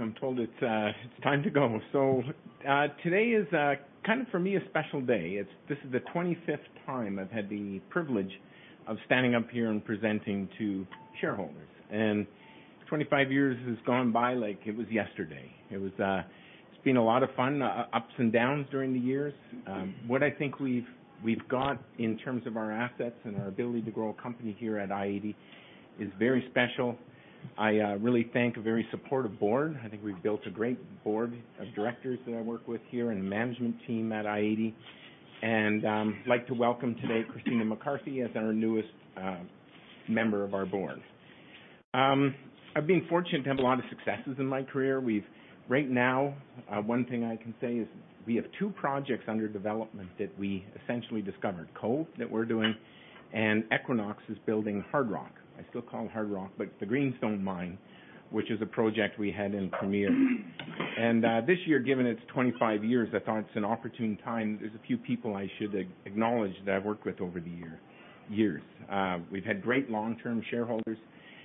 I'm told it's time to go. Today is kind of for me a special day. This is the 25th time I've had the privilege of standing up here and presenting to shareholders. 25 years has gone by like it was yesterday. It's been a lot of fun, ups and downs during the years. What I think we've got in terms of our assets and our ability to grow a company here at i-80 is very special. I really thank a very supportive board. I think we've built a great board of directors that I work with here and management team at i-80. Like to welcome today Christina McCarthy as our newest member of our board. I've been fortunate to have a lot of successes in my career. Right now, one thing I can say is we have two projects under development that we essentially discovered. Cove, that we're doing, Equinox is building Hardrock. I still call it Hardrock, the Greenstone Mine, which is a project we had in Premier. This year, given it's 25 years, I thought it's an opportune time. There's a few people I should acknowledge that I've worked with over the years. We've had great long-term shareholders.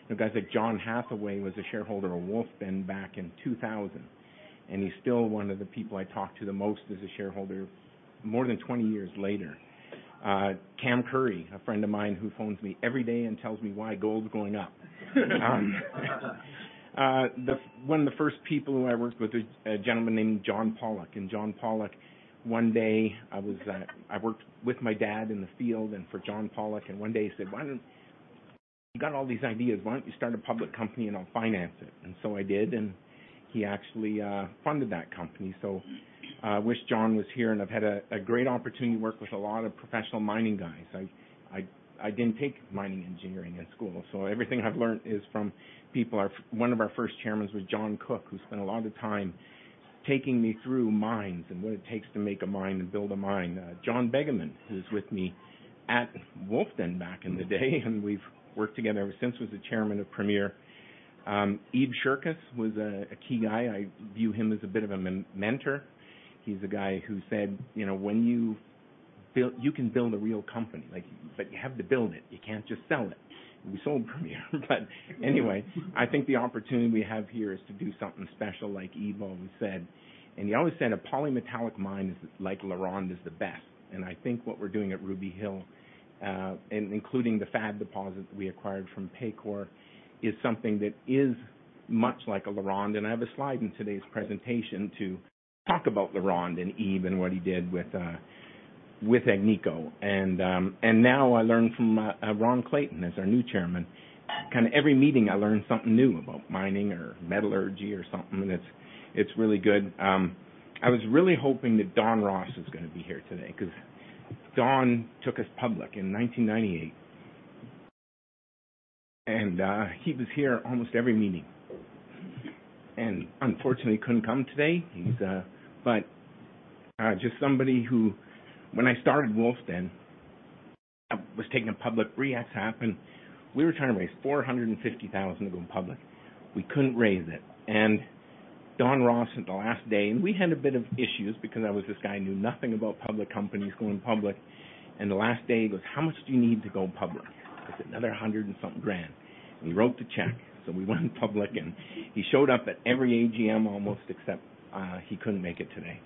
You know, guys like John Hathaway was a shareholder of Wolfden back in 2000, and he's still one of the people I talk to the most as a shareholder more than 20 years later. Cam Curry, a friend of mine who phones me every day and tells me why gold's going up. One of the first people who I worked with is a gentleman named John Pollock. John Pollock, one day I was, I worked with my dad in the field and for John Pollock, and one day he said, "You got all these ideas. Why don't you start a public company and I'll finance it?" I did, and he actually funded that company. I wish John was here, and I've had a great opportunity to work with a lot of professional mining guys. I didn't take mining engineering at school, everything I've learned is from people. One of our first chairmans was John Cook, who spent a lot of time taking me through mines and what it takes to make a mine and build a mine. John Begeman, who was with me at Wolfden back in the day, we've worked together ever since he was the chairman of Premier. Ebe Scherkus was a key guy. I view him as a bit of a mentor. He's a guy who said, you know, "You can build a real company, like, but you have to build it. You can't just sell it." We sold Premier, anyway, I think the opportunity we have here is to do something special like Ebe always said. He always said a polymetallic mine is, like LaRonde, is the best. I think what we're doing at Ruby Hill, including the FAD deposit we acquired from Paycore, is something that is much like a LaRonde. I have a slide in today's presentation to talk about LaRonde and Ebe and what he did with Agnico. Now I learn from Ron Clayton as our new Chairman. Kind of every meeting I learn something new about mining or metallurgy or something, and it's really good. I was really hoping that Don Ross was gonna be here today, 'cause Don took us public in 1998. He was here almost every meeting and unfortunately couldn't come today. He's just somebody who when I started Wolfden, I was taking a public, three acts happened. We were trying to raise $450,000 to go public. We couldn't raise it. Don Ross, at the last day, and we had a bit of issues because I was this guy who knew nothing about public companies going public. The last day he goes, "How much do you need to go public?" I said, "Another $100 and something grand." He wrote the check. We went public, and he showed up at every AGM almost, except he couldn't make it today.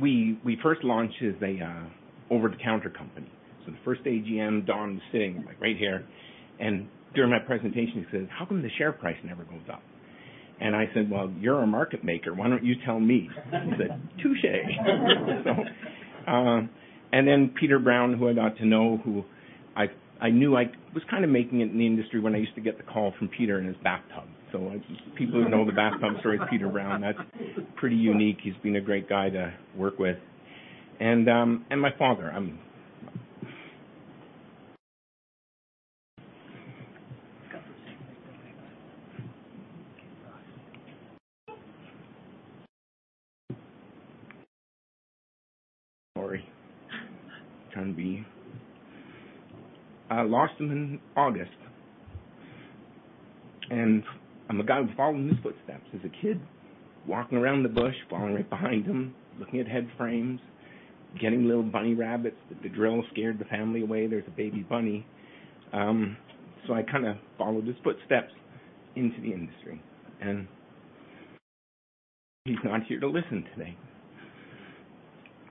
We first launched as a over-the-counter company. The first AGM, Don was sitting like right here, and during my presentation he says, "How come the share price never goes up?" I said, "Well, you're a market maker. Why don't you tell me?" He said, "Touche." Peter Brown, who I got to know, who I knew I was kinda making it in the industry when I used to get the call from Peter in his bathtub. People who know the bathtub story with Peter Brown, that's pretty unique. He's been a great guy to work with. My father. Sorry. I lost him in August, and I'm a guy who's following his footsteps. As a kid, walking around the bush, following right behind him, looking at head frames, getting little bunny rabbits that the drill scared the family away, there's a baby bunny. I kinda followed his footsteps into the industry. He's not here to listen today.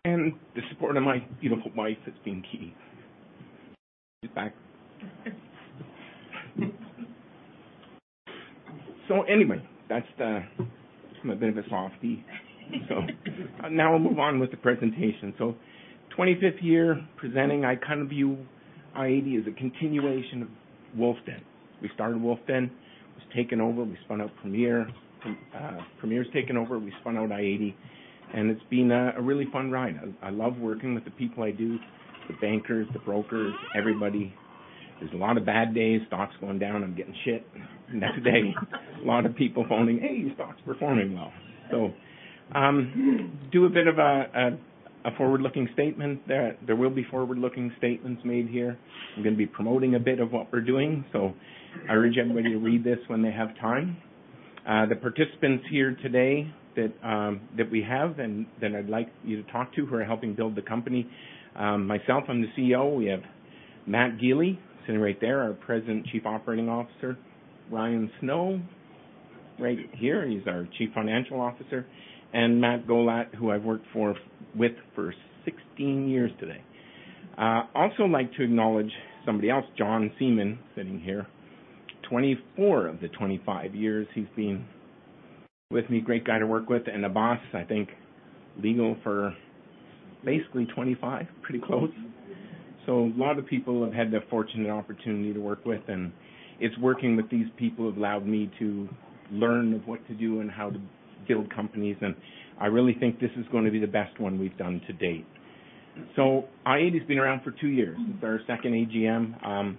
The support of my beautiful wife has been key. She's back. Anyway, that's, I'm a bit of a softie. Now I'll move on with the presentation. 25th year presenting, I kind of view i-80 as a continuation of Wolfden. We started Wolfden, it was taken over, we spun out Premier. Premier's taken over, we spun out i-80, and it's been a really fun ride. I love working with the people I do, the bankers, the brokers, everybody. There's a lot of bad days, stock's going down, I'm getting crap. Next day, a lot of people phoning, "Hey, your stock's performing well." Do a bit of a forward-looking statement there. There will be forward-looking statements made here. I'm gonna be promoting a bit of what we're doing. I urge everybody to read this when they have time. The participants here today that we have and that I'd like you to talk to who are helping build the company, myself, I'm the CEO. We have Matt Gili sitting right there, our President and Chief Operating Officer. Ryan Snow right here, he's our Chief Financial Officer, and Matt Gollat, who I've worked with for 16 years today. Also like to acknowledge somebody else, John Seaman sitting here. 24 of the 25 years he's been with me. Great guy to work with and a boss, I think, legal for basically 25, pretty close. A lot of people have had the fortunate opportunity to work with, and it's working with these people have allowed me to learn of what to do and how to build companies, and I really think this is gonna be the best one we've done to date. i-80 has been around for two years. This is our 2nd AGM.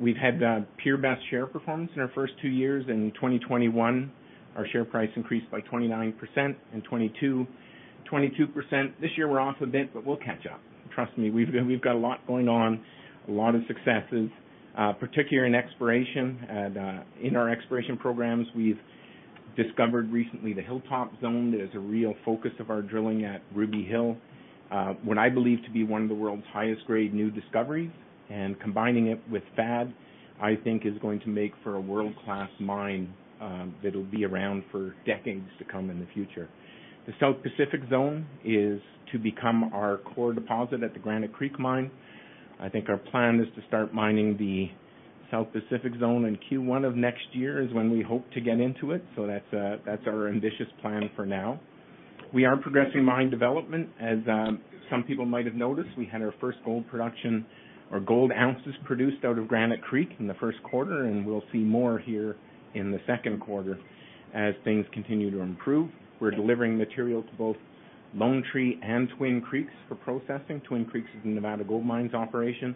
We've had the peer best share performance in our 1st two years. In 2021, our share price increased by 29% and 22%. This year we're off a bit, but we'll catch up. Trust me, we've got a lot going on, a lot of successes, particularly in exploration and in our exploration programs. We've discovered recently the Hilltop Zone that is a real focus of our drilling at Ruby Hill, what I believe to be one of the world's highest grade new discoveries. Combining it with FAD, I think is going to make for a world-class mine that'll be around for decades to come in the future. The South Pacific Zone is to become our core deposit at the Granite Creek Mine. I think our plan is to start mining the South Pacific Zone in Q1 of next year, is when we hope to get into it. That's our ambitious plan for now. We are progressing mine development. As some people might have noticed, we had our first gold production or gold ounces produced out of Granite Creek in the first quarter, and we'll see more here in the second quarter as things continue to improve. We're delivering material to both Lone Tree and Twin Creeks for processing. Twin Creeks is the Nevada Gold Mines operation.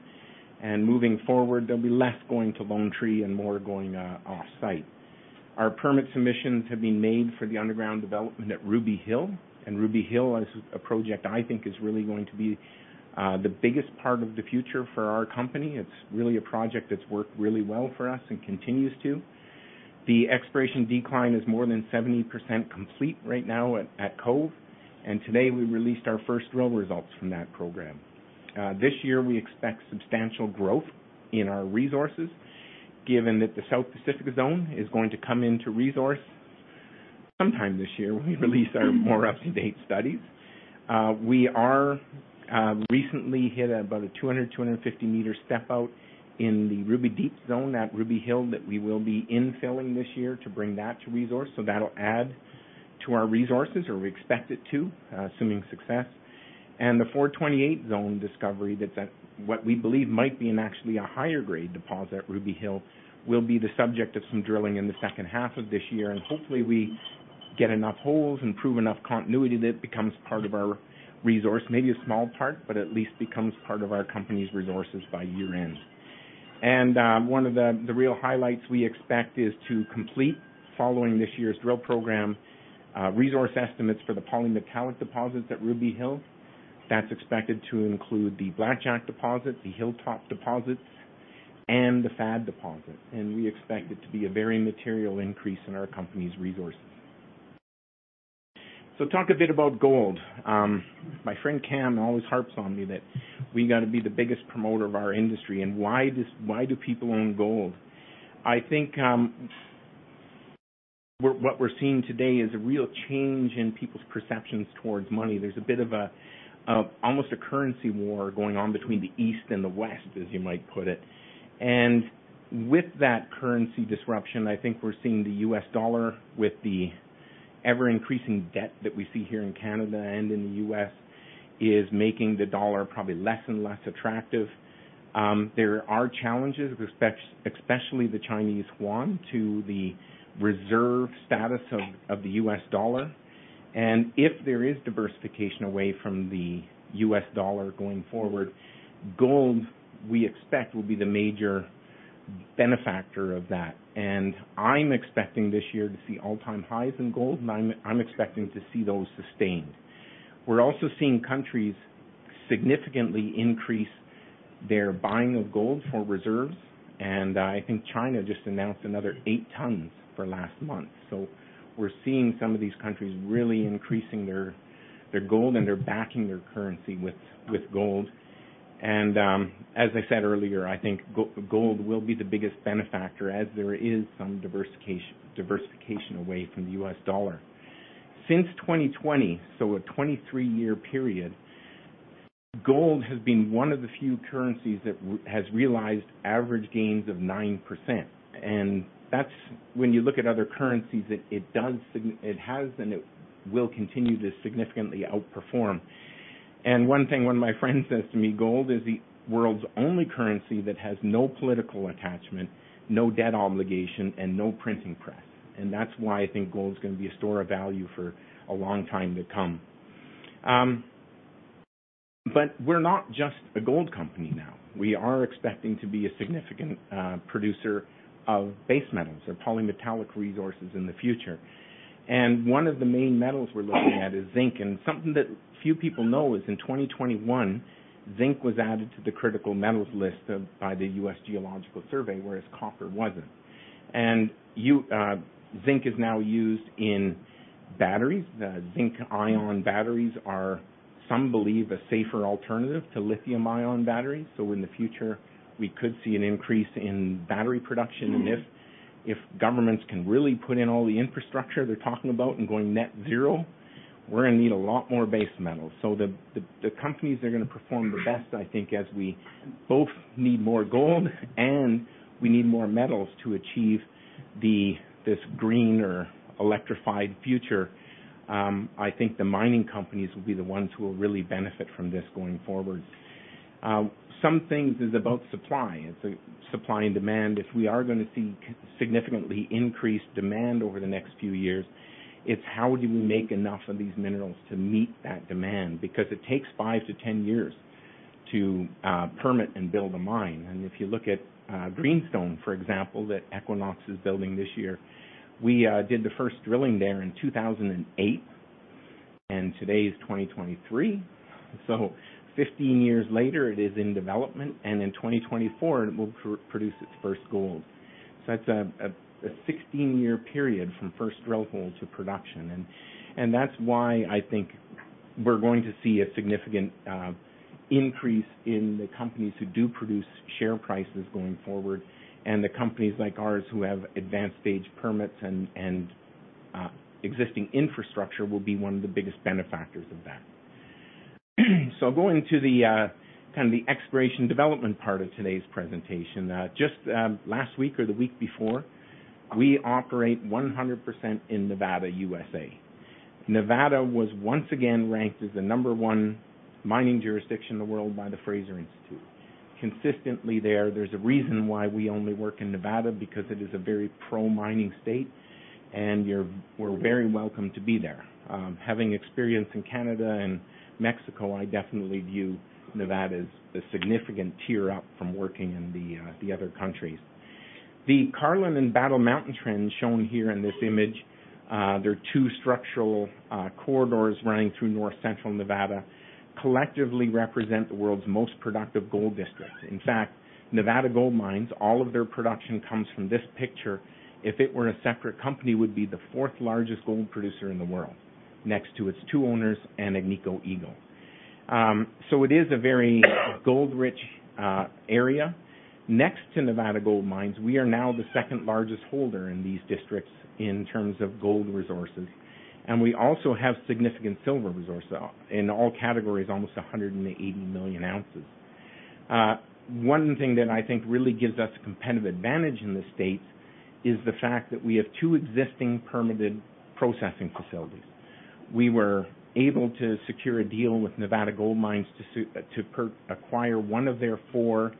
Moving forward, there'll be less going to Lone Tree and more going off-site. Our permit submissions have been made for the underground development at Ruby Hill, and Ruby Hill as a project I think is really going to be the biggest part of the future for our company. It's really a project that's worked really well for us and continues to. The exploration decline is more than 70% complete right now at Cove, and today we released our first drill results from that program. This year we expect substantial growth in our resources given that the South Pacific Zone is going to come into resource sometime this year when we release our more up-to-date studies. We are recently hit about a 200-250 meter step out in the Ruby Deeps Zone at Ruby Hill that we will be infilling this year to bring that to resource. That'll add to our resources, or we expect it to, assuming success. The 428 zone discovery that's at what we believe might be in actually a higher grade deposit at Ruby Hill will be the subject of some drilling in the second half of this year. Hopefully, we get enough holes and prove enough continuity that it becomes part of our resource. Maybe a small part, but at least becomes part of our company's resources by year-end. One of the real highlights we expect is to complete following this year's drill program, resource estimates for the polymetallic deposits at Ruby Hill. That's expected to include the Blackjack deposit, the Hilltop deposit, and the FAD deposit, we expect it to be a very material increase in our company's resources. Talk a bit about gold. My friend Cam always harps on me that we gotta be the biggest promoter of our industry, why do people own gold? I think, what we're seeing today is a real change in people's perceptions towards money. There's a bit of a almost a currency war going on between the East and the West, as you might put it. With that currency disruption, I think we're seeing the U.S. dollar with the ever-increasing debt that we see here in Canada and in the U.S. is making the dollar probably less and less attractive. There are challenges, especially the Chinese yuan, to the reserve status of the U.S. dollar. If there is diversification away from the U.S. dollar going forward, gold, we expect, will be the major benefactor of that. I'm expecting this year to see all-time highs in gold, and I'm expecting to see those sustained. We're also seeing countries significantly increase their buying of gold for reserves, and I think China just announced another 8 tons for last month. We're seeing some of these countries really increasing their gold, and they're backing their currency with gold. As I said earlier, I think gold will be the biggest benefactor as there is some diversification away from the U.S. dollar. Since 2020, so a 23-year period, gold has been one of the few currencies that has realized average gains of 9%. That's when you look at other currencies, it has and it will continue to significantly outperform. One thing, one of my friends says to me, gold is the world's only currency that has no political attachment, no debt obligation, and no printing press. That's why I think gold is gonna be a store of value for a long time to come. We're not just a gold company now. We are expecting to be a significant producer of base metals or polymetallic resources in the future. One of the main metals we're looking at is zinc. Something that few people know is in 2021, zinc was added to the critical metals list by the U.S. Geological Survey, whereas copper wasn't. Zinc is now used in batteries. The zinc-ion batteries are, some believe, a safer alternative to lithium-ion batteries. In the future, we could see an increase in battery production. If governments can really put in all the infrastructure they're talking about in going net zero, we're gonna need a lot more base metals. The companies are gonna perform the best, I think, as we both need more gold and we need more metals to achieve this green or electrified future. I think the mining companies will be the ones who will really benefit from this going forward. Some things is about supply. It's supply and demand. If we are gonna see significantly increased demand over the next few years, it's how do we make enough of these minerals to meet that demand? Because it takes five to 10 years to permit and build a mine. If you look at Greenstone, for example, that Equinox is building this year, we did the first drilling there in 2008, and today is 2023. 15 years later, it is in development, and in 2024 it will produce its first gold. That's a 16-year period from first drill hole to production. That's why I think we're going to see a significant increase in the companies who do produce share prices going forward. The companies like ours who have advanced stage permits and existing infrastructure will be one of the biggest benefactors of that. Going to the kinda the exploration development part of today's presentation. Just last week or the week before, we operate 100% in Nevada, USA. Nevada was once again ranked as the number one mining jurisdiction in the world by the Fraser Institute. Consistently there's a reason why we only work in Nevada, because it is a very pro-mining state, and we're very welcome to be there. Having experience in Canada and Mexico, I definitely view Nevada as the significant tier up from working in the other countries. The Carlin and Battle Mountain Trends shown here in this image, they're two structural corridors running through North Central Nevada, collectively represent the world's most productive gold district. In fact, Nevada Gold Mines, all of their production comes from this picture. If it were a separate company, would be the fourth largest gold producer in the world, next to its two owners and Agnico Eagle. It is a very gold rich area. Next to Nevada Gold Mines, we are now the second largest holder in these districts in terms of gold resources, and we also have significant silver resources in all categories, almost 180 million ounces. One thing that I think really gives us competitive advantage in this space is the fact that we have two existing permitted processing facilities. We were able to secure a deal with Nevada Gold Mines to acquire one of their four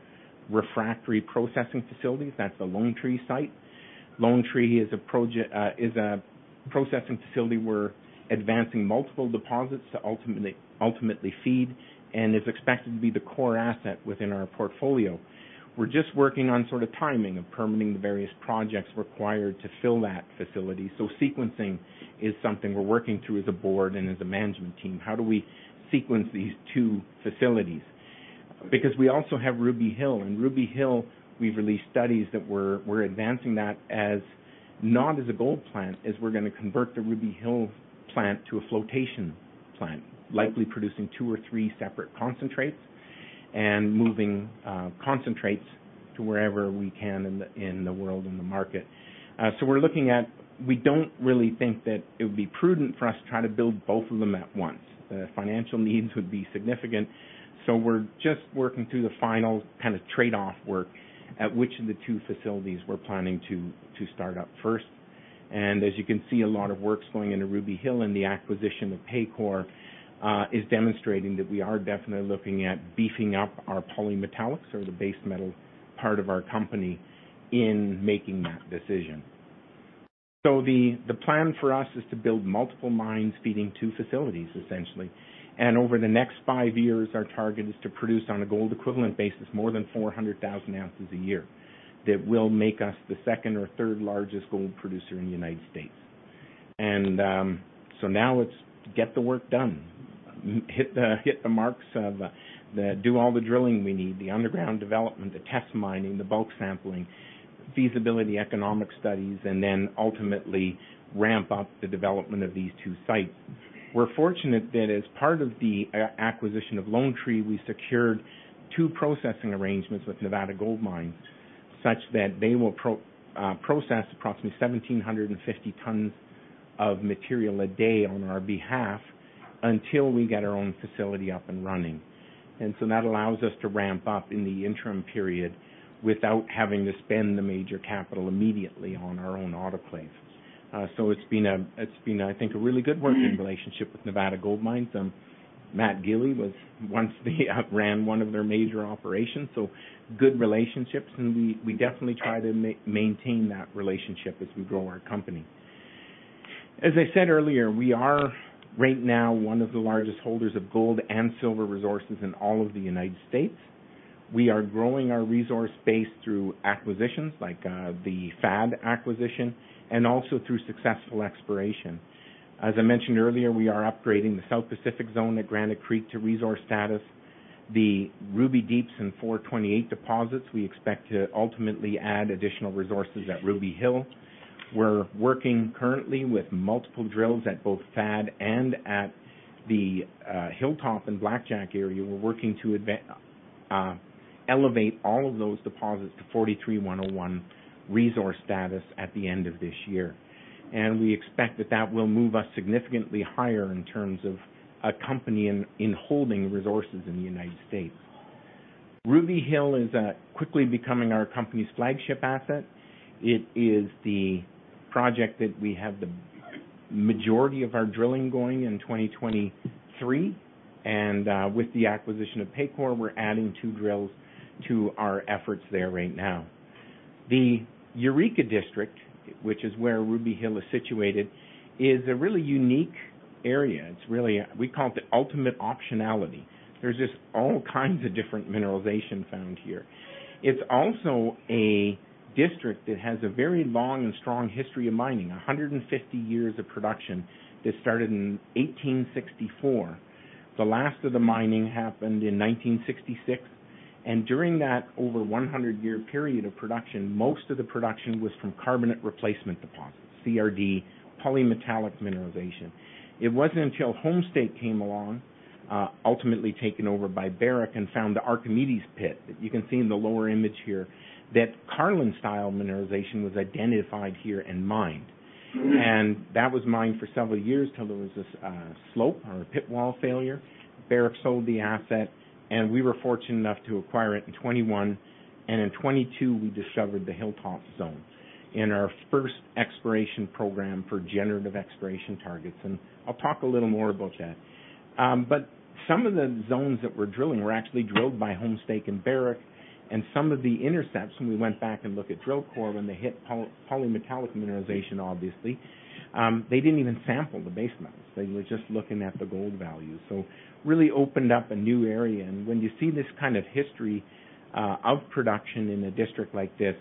refractory processing facilities. That's the Lone Tree site. Lone Tree is a processing facility. We're advancing multiple deposits to ultimately feed and is expected to be the core asset within our portfolio. We're just working on sort of timing of permitting the various projects required to fill that facility. Sequencing is something we're working through as a board and as a management team. How do we sequence these two facilities? We also have Ruby Hill. Ruby Hill, we've released studies that we're advancing that as not as a gold plant, as we're gonna convert the Ruby Hill plant to a flotation plant, likely producing two or three separate concentrates and moving concentrates to wherever we can in the world, in the market. We're looking at. We don't really think that it would be prudent for us to try to build both of them at once. The financial needs would be significant. So we're just working through the final kind of trade-off work at which of the two facilities we're planning to start up first. As you can see, a lot of work's going into Ruby Hill, and the acquisition of Paycore is demonstrating that we are definitely looking at beefing up our polymetallics or the base metal part of our company in making that decision. The plan for us is to build multiple mines feeding two facilities, essentially. Over the next five years, our target is to produce on a gold equivalent basis, more than 400,000 ounces a year. That will make us the second or third largest gold producer in the United States. Now let's get the work done, Hit the marks of all the drilling we need, the underground development, the test mining, the bulk sampling, feasibility, economic studies, and then ultimately ramp up the development of these two sites. We're fortunate that as part of the acquisition of Lone Tree, we secured two processing arrangements with Nevada Gold Mines such that they will process approximately 1,750 tons of material a day on our behalf until we get our own facility up and running. That allows us to ramp up in the interim period without having to spend the major capital immediately on our own autoclaves. So it's been, I think, a really good working relationship with Nevada Gold Mines. Matt Gili was once ran one of their major operations, so good relationships, and we definitely try to maintain that relationship as we grow our company. As I said earlier, we are right now one of the largest holders of gold and silver resources in all of the United States. We are growing our resource base through acquisitions like the FAD acquisition and also through successful exploration. As I mentioned earlier, we are upgrading the South Pacific Zone at Granite Creek to resource status. The Ruby Deeps in 428 deposits. We expect to ultimately add additional resources at Ruby Hill. We're working currently with multiple drills at both FAD and at the Hilltop and Blackjack area. We're working to elevate all of those deposits to NI 43-101 resource status at the end of this year. We expect that that will move us significantly higher in terms of a company in holding resources in the United States. Ruby Hill is quickly becoming our company's flagship asset. It is the project that we have the majority of our drilling going in 2023, and, with the acquisition of Paycore, we're adding two drills to our efforts there right now. The Eureka District, which is where Ruby Hill is situated, is a really unique area. It's really. We call it the ultimate optionality. There's just all kinds of different mineralization found here. It's also a district that has a very long and strong history of mining, 150 years of production that started in 1864. The last of the mining happened in 1966. During that over 100 year period of production, most of the production was from carbonate replacement deposits, CRD, polymetallic mineralization. It wasn't until Homestake came along, ultimately taken over by Barrick and found the Archimedes pit, that you can see in the lower image here, that Carlin-style mineralization was identified here and mined. That was mined for several years till there was this slope or a pit wall failure. Barrick sold the asset. We were fortunate enough to acquire it in 2021. In 2022, we discovered the Hilltop Zone in our first exploration program for generative exploration targets. I'll talk a little more about that. Some of the zones that we're drilling were actually drilled by Homestake and Barrick, some of the intercepts, when we went back and look at drill core, when they hit polymetallic mineralization, obviously, they didn't even sample the base metals. They were just looking at the gold value. Really opened up a new area, and when you see this kind of history of production in a district like this,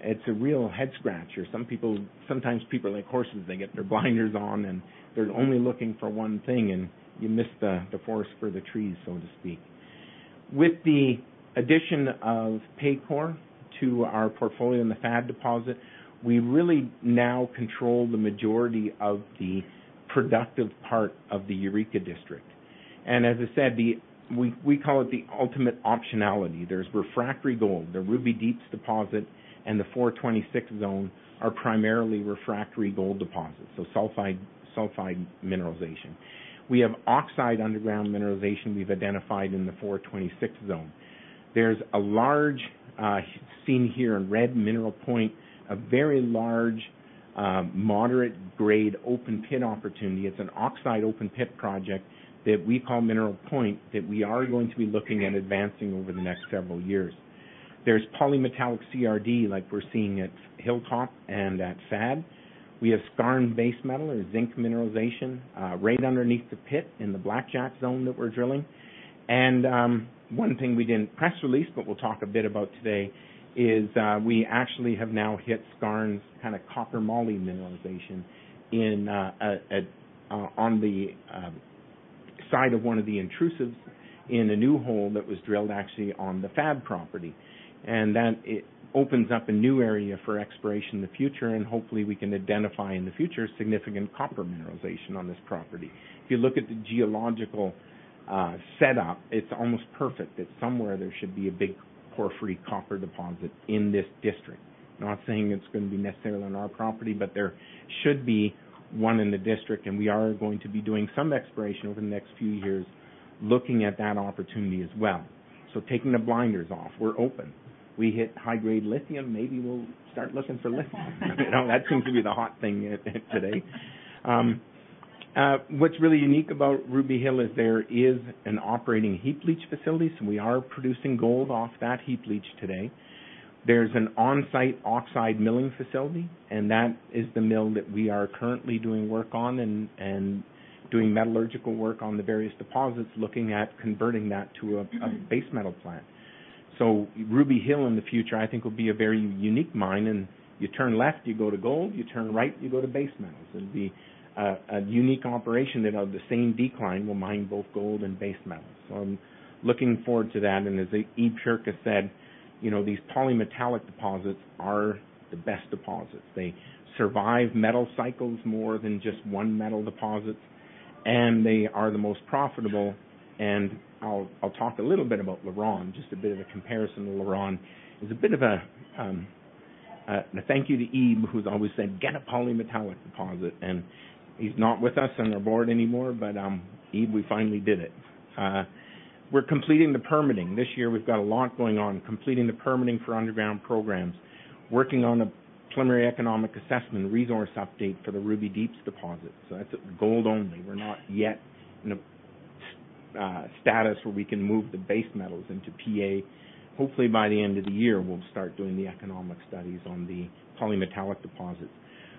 it's a real head-scratcher. Sometimes people are like horses. They get their blinders on, and they're only looking for one thing, and you miss the forest for the trees, so to speak. With the addition of Paycore to our portfolio in the FAD deposit, we really now control the majority of the productive part of the Eureka District. As I said, We call it the ultimate optionality. There's refractory gold. The Ruby Deeps deposit and the 426 Zone are primarily refractory gold deposits, so sulfide mineralization. We have oxide underground mineralization we've identified in the 426 Zone. There's a large, seen here in red, Mineral Point, a very large, moderate grade open pit opportunity. It's an oxide open pit project that we call Mineral Point that we are going to be looking at advancing over the next several years. There's polymetallic CRD like we're seeing at Hilltop and at FAD. We have skarn base metal or zinc mineralization right underneath the pit in the Blackjack Zone that we're drilling. One thing we did in press release but we'll talk a bit about today is, we actually have now hit skarn kinda copper moly mineralization on the side of one of the intrusives in a new hole that was drilled actually on the FAD property. That opens up a new area for exploration in the future, and hopefully, we can identify in the future significant copper mineralization on this property. If you look at the geological setup, it's almost perfect that somewhere there should be a big porphyry copper deposit in this district. Not saying it's gonna be necessarily on our property, but there should be one in the district, and we are going to be doing some exploration over the next few years looking at that opportunity as well. Taking the blinders off, we're open. We hit high-grade lithium, maybe we'll start looking for lithium. You know, that seems to be the hot thing today. What's really unique about Ruby Hill is there is an operating heap leach facility. We are producing gold off that heap leach today. There's an on-site oxide milling facility, and that is the mill that we are currently doing work on and doing metallurgical work on the various deposits, looking at converting that to a base metal plant. Ruby Hill in the future, I think, will be a very unique mine, and you turn left, you go to gold, you turn right, you go to base metals. It'll be a unique operation that on the same decline will mine both gold and base metals. I'm looking forward to that. As Ebe Scherkus said, you know, these polymetallic deposits are the best deposits. They survive metal cycles more than just one metal deposits, and they are the most profitable. I'll talk a little bit about LaRonde, just a bit of a comparison to LaRonde. There's a bit of a thank you to Ebe, who's always said, "Get a polymetallic deposit." He's not with us on our board anymore, but Ebe, we finally did it. We're completing the permitting. This year, we've got a lot going on, completing the permitting for underground programs, working on a preliminary economic assessment resource update for the Ruby Deeps deposit. That's gold only. We're not yet in a status where we can move the base metals into PA. Hopefully, by the end of the year, we'll start doing the economic studies on the polymetallic deposits.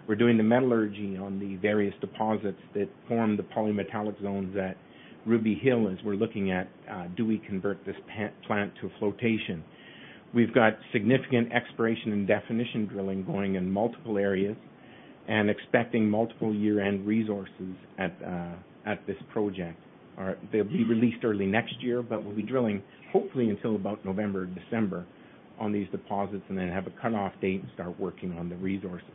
We're doing the metallurgy on the various deposits that form the polymetallic zones at Ruby Hill as we're looking at, do we convert this plant to flotation? We've got significant exploration and definition drilling going in multiple areas and expecting multiple year-end resources at this project. They'll be released early next year, but we'll be drilling hopefully until about November, December, on these deposits and then have a cutoff date and start working on the resources.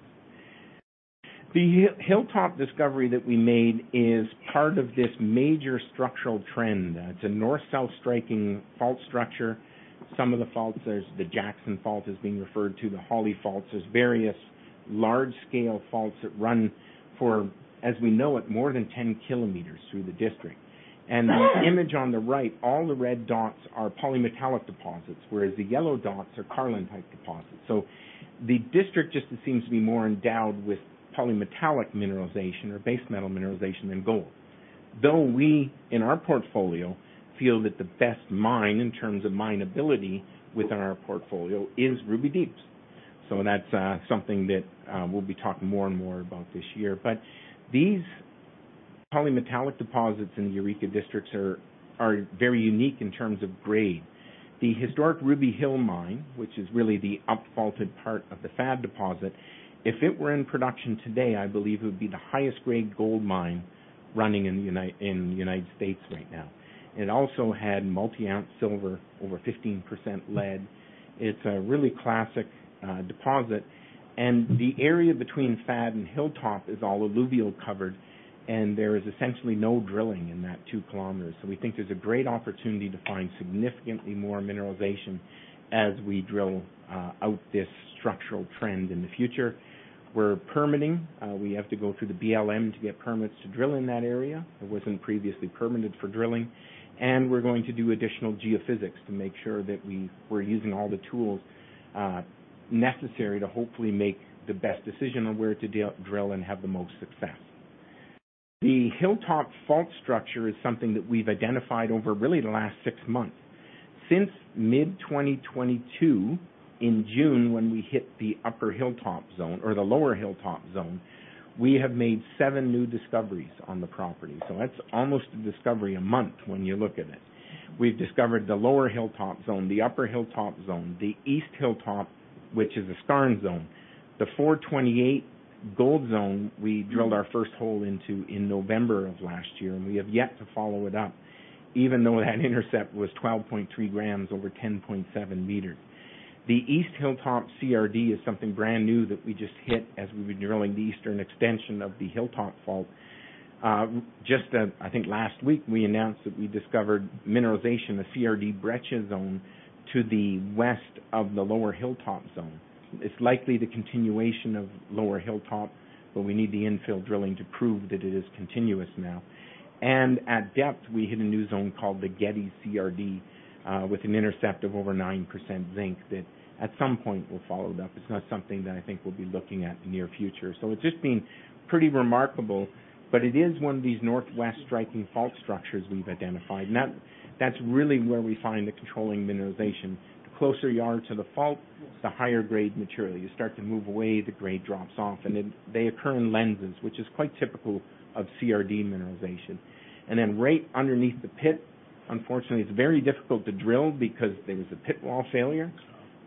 The Hilltop discovery that we made is part of this major structural trend. It's a north-south striking fault structure. Some of the faults, there's the Jackson fault is being referred to, the Hawley faults. There's various large-scale faults that run for, as we know it, more than 10 km through the district. This image on the right, all the red dots are polymetallic deposits, whereas the yellow dots are Carlin-type deposits. The district just seems to be more endowed with polymetallic mineralization or base metal mineralization than gold. Though we, in our portfolio, feel that the best mine in terms of mine ability within our portfolio is Ruby Deeps. That's something that we'll be talking more and more about this year. These polymetallic deposits in the Eureka districts are very unique in terms of grade. The historic Ruby Hill mine, which is really the up-faulted part of the FAD deposit, if it were in production today, I believe it would be the highest grade gold mine running in the United States right now. It also had multi-ounce silver over 15% lead. It's a really classic deposit. The area between FAD and Hilltop is all alluvial covered, and there is essentially no drilling in that 2 km. We think there's a great opportunity to find significantly more mineralization as we drill out this structural trend in the future. We're permitting. We have to go through the BLM to get permits to drill in that area. It wasn't previously permitted for drilling. We're going to do additional geophysics to make sure that we're using all the tools necessary to hopefully make the best decision on where to drill and have the most success. The Hilltop fault structure is something that we've identified over really the last six months. Since mid-2022, in June, when we hit the upper Hilltop Zone or the lower Hilltop Zone, we have made seven new discoveries on the property. That's almost a discovery a month when you look at it. We've discovered the lower Hilltop Zone, the upper Hilltop Zone, the East Hilltop, which is a skarn zone. The 428 gold zone, we drilled our first hole into in November of last year, we have yet to follow it up, even though that intercept was 12.3 g over 10.7 m. The East Hilltop CRD is something brand new that we just hit as we were drilling the eastern extension of the Hilltop fault. Just, I think last week, we announced that we discovered mineralization, the CRD breccia zone, to the west of the lower Hilltop Zone. It's likely the continuation of lower Hilltop, we need the infill drilling to prove that it is continuous now. At depth, we hit a new zone called the Getty CRD, with an intercept of over 9% zinc that at some point will follow it up. It's not something that I think we'll be looking at in the near future. It's just been pretty remarkable, but it is one of these northwest striking fault structures we've identified. That's really where we find the controlling mineralization. The closer you are to the fault, the higher grade material. You start to move away, the grade drops off, and then they occur in lenses, which is quite typical of CRD mineralization. Right underneath the pit, unfortunately, it's very difficult to drill because there was a pit wall failure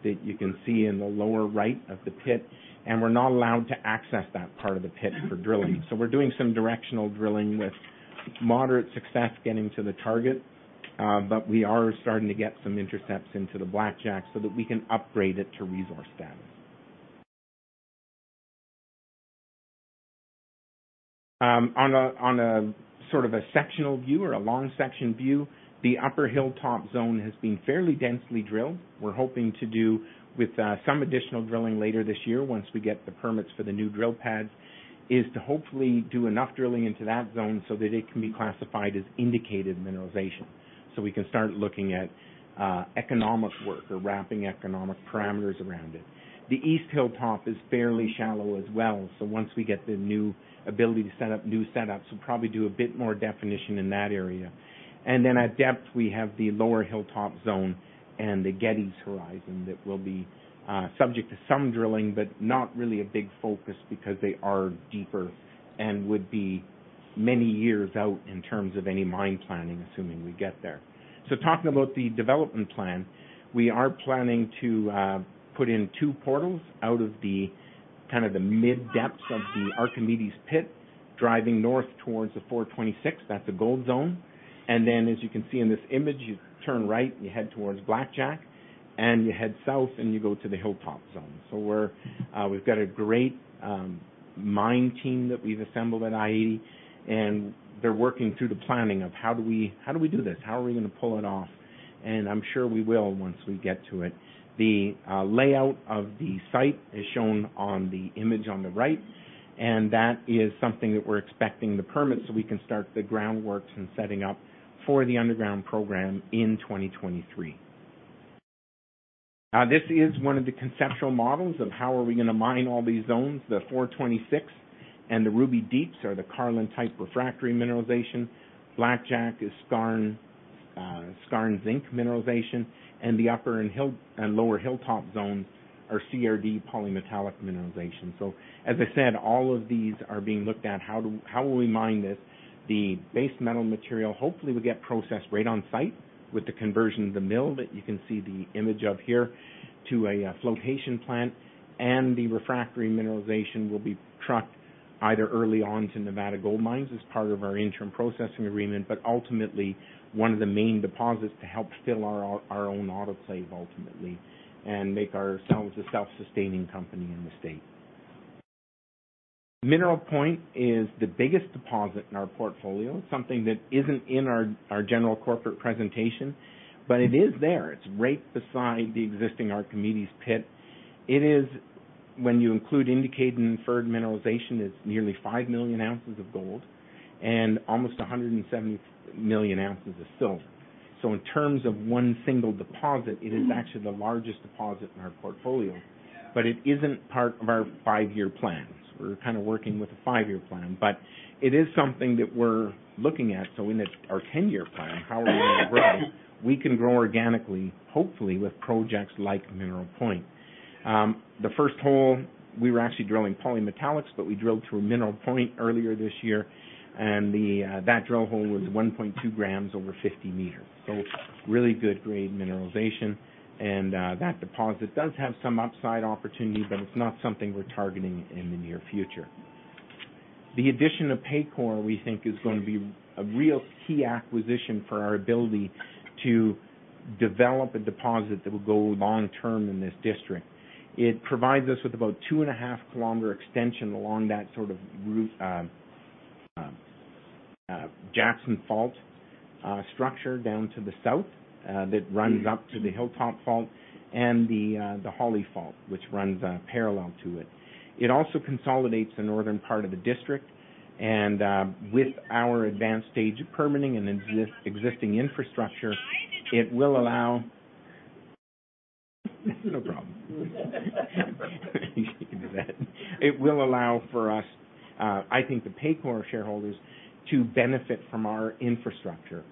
that you can see in the lower right of the pit, and we're not allowed to access that part of the pit for drilling. We're doing some directional drilling with moderate success getting to the target. We are starting to get some intercepts into the Blackjack so that we can upgrade it to resource status. On a sort of a sectional view or a long section view, the upper Hilltop Zone has been fairly densely drilled. We're hoping to do with some additional drilling later this year once we get the permits for the new drill pad, is to hopefully do enough drilling into that zone so that it can be classified as Indicated mineralization. We can start looking at economic work or wrapping economic parameters around it. The East Hilltop is fairly shallow as well. Once we get the new ability to set up new setups, we'll probably do a bit more definition in that area. At depth, we have the lower Hilltop Zone and the Getty's horizon that will be subject to some drilling, but not really a big focus because they are deeper and would be many years out in terms of any mine planning, assuming we get there. Talking about the development plan, we are planning to put in two portals out of the kind of the mid depths of the Archimedes pit, driving north towards the 426, that's a gold zone. As you can see in this image, you turn right and you head towards Blackjack and you head south and you go to the Hilltop Zone. We're, we've got a great mine team that we've assembled at i-80, and they're working through the planning of how do we, how do we do this? How are we gonna pull it off? I'm sure we will once we get to it. The layout of the site is shown on the image on the right, and that is something that we're expecting the permit, so we can start the groundworks and setting up for the underground program in 2023. This is one of the conceptual models of how are we gonna mine all these zones. The 426 and the Ruby Deeps are the Carlin-type refractory mineralization. Blackjack is skarn and zinc mineralization, and the upper and lower Hilltop Zones are CRD polymetallic mineralization. As I said, all of these are being looked at. How will we mine this? The base metal material, hopefully, will get processed right on site with the conversion of the mill that you can see the image of here to a flotation plant. The refractory mineralization will be trucked either early on to Nevada Gold Mines as part of our interim processing agreement. Ultimately, one of the main deposits to help fill our own autoclave ultimately and make ourselves a self-sustaining company in the state. Mineral Point is the biggest deposit in our portfolio, something that isn't in our general corporate presentation, but it is there. It's right beside the existing Archimedes pit. When you include indicated and inferred mineralization, it's nearly five million ounces of gold and almost 170 million ounces of silver. In terms of one single deposit, it is actually the largest deposit in our portfolio, but it isn't part of our five-year plans. We're kinda working with a five-year plan, but it is something that we're looking at. Our 10-year plan, how are we gonna grow? We can grow organically, hopefully, with projects like Mineral Point. The first hole, we were actually drilling polymetallics, but we drilled through a Mineral Point earlier this year, and the that drill hole was 1.2 g over 50 m. Really good grade mineralization. That deposit does have some upside opportunity, but it's not something we're targeting in the near future. The addition of Paycore, we think, is going to be a real key acquisition for our ability to develop a deposit that will go long-term in this district. It provides us with about 2.5 km extension along that sort of route, Jackson fault, structure down to the south, that runs up to the Hilltop fault and the Hawley fault, which runs parallel to it. It also consolidates the northern part of the district. With our advanced stage of permitting and existing infrastructure, No problem. You can do that. It will allow for us, I think the Paycore shareholders to benefit from our infrastructure.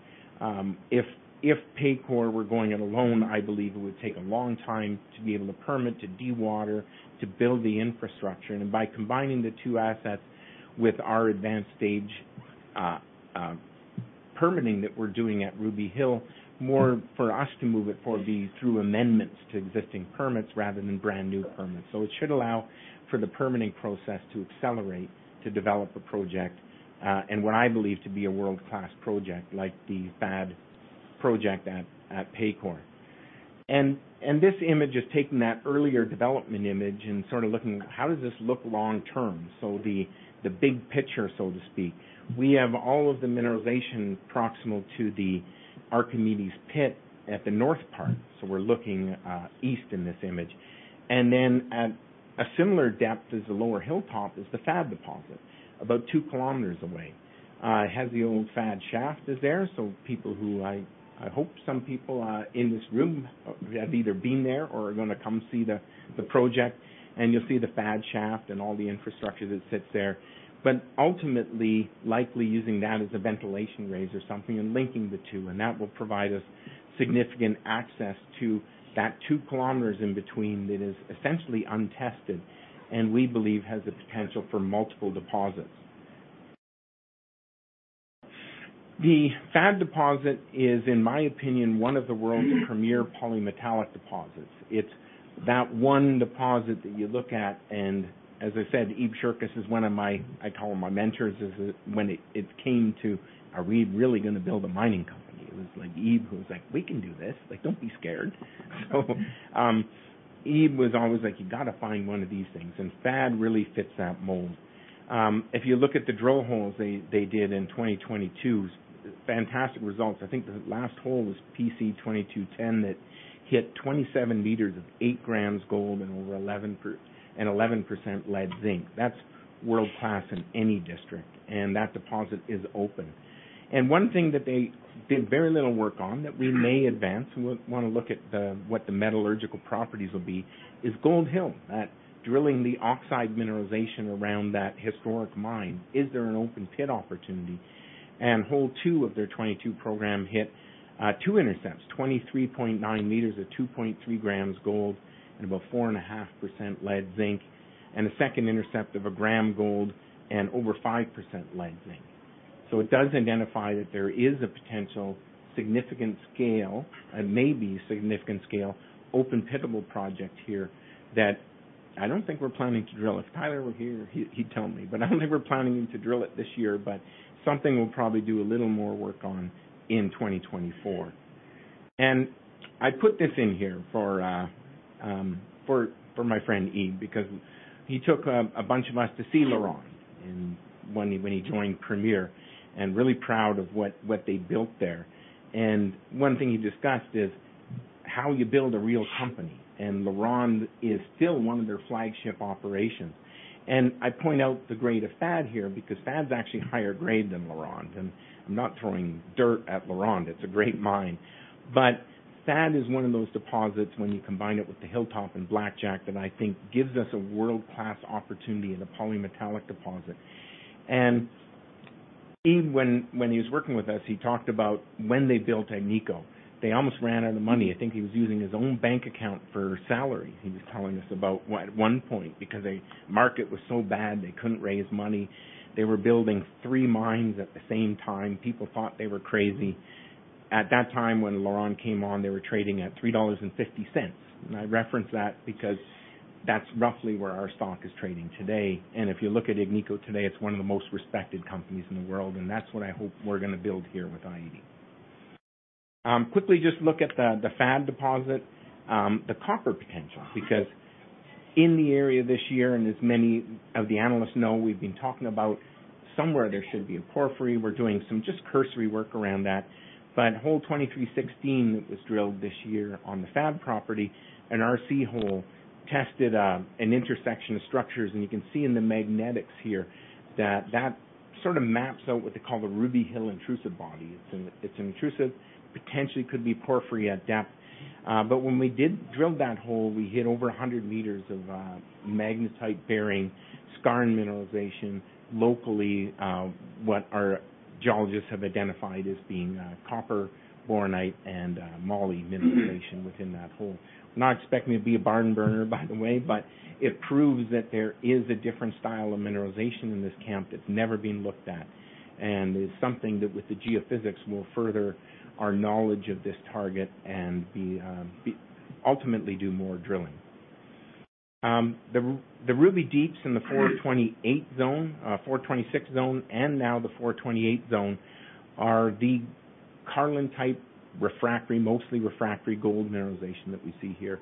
If Paycore were going it alone, I believe it would take a long time to be able to permit, to de-water, to build the infrastructure. By combining the two assets with our advanced stage, permitting that we're doing at Ruby Hill, more for us to move it forward be through amendments to existing permits rather than brand-new permits. It should allow for the permitting process to accelerate, to develop a project, and what I believe to be a world-class project like the FAD project at Paycore. This image is taking that earlier development image and sort of looking at how does this look long-term? The big picture, so to speak. We have all of the mineralization proximal to the Archimedes pit at the north part, so we're looking east in this image. Then at a similar depth as the lower hilltop is the FAD deposit about 2 km away. It has the old FAD shaft is there, so people who I hope some people in this room have either been there or are gonna come see the project. You'll see the FAD shaft and all the infrastructure that sits there. Ultimately, likely using that as a ventilation raise or something and linking the two, and that will provide us significant access to that 2 km in between that is essentially untested and we believe has the potential for multiple deposits. The FAD deposit is, in my opinion, one of the world's premier polymetallic deposits. It's that one deposit that you look at and, as I said, Ebe Scherkus is one of my... I call him my mentors, is when it came to, "Are we really gonna build a mining company?" It was like Ebe who was like, "We can do this. Like, don't be scared." Ebe was always like, "You gotta find one of these things," and FAD really fits that mold. If you look at the drill holes they did in 2022, fantastic results. I think the last hole was PC2210 that hit 27 m of 8 g gold and over 11% lead zinc. That's world-class in any district. That deposit is open. One thing that they did very little work on that we may advance, we'll wanna look at what the metallurgical properties will be, is Gold Hill. That drilling the oxide mineralization around that historic mine. Is there an open pit opportunity? Hole 2 of their 2022 program hit two intercepts, 23.9 m at 2.3 g gold and about 4.5% lead zinc, and a second intercept of 1 g gold and over 5% lead zinc. It does identify that there is a potential significant scale and maybe significant scale open pitable project here that I don't think we're planning to drill. If Tyler were here, he'd tell me. I'm never planning to drill it this year, but something we'll probably do a little more work on in 2024. I put this in here for my friend Ebe because he took a bunch of us to see LaRonde when he joined Premier, and really proud of what they built there. I point out the grade of FAD here because FAD's actually higher grade than LaRonde. I'm not throwing dirt at LaRonde. It's a great mine. FAD is one of those deposits when you combine it with the Hilltop and Blackjack that I think gives us a world-class opportunity in a polymetallic deposit. Steve, when he was working with us, he talked about when they built Agnico, they almost ran out of money. I think he was using his own bank account for salaries, he was telling us about one point, because the market was so bad they couldn't raise money. They were building three mines at the same time. People thought they were crazy. At that time, when LaRonde came on, they were trading at $3.50. I reference that because that's roughly where our stock is trading today. If you look at Agnico today, it's one of the most respected companies in the world, and that's what I hope we're gonna build here with i-80. Quickly, just look at the FAD deposit, the copper potential, because in the area this year, and as many of the analysts know, we've been talking about somewhere there should be a porphyry. Hole 2316 that was drilled this year on the FAD property, an RC hole tested an intersection of structures. You can see in the magnetics here that that sort of maps out what they call the Ruby Hill Intrusive Body. When we did drill that hole, we hit over 100 m of magnetite-bearing skarn mineralization locally, what our geologists have identified as being copper, bornite, and moly mineralization within that hole. Not expecting it to be a barn burner, by the way. It proves that there is a different style of mineralization in this camp that's never been looked at and is something that, with the geophysics, will further our knowledge of this target and be ultimately do more drilling. The Ruby Deeps in the 428 zone, 426 Zone, and now the 428 zone are the Carlin-type refractory, mostly refractory gold mineralization that we see here.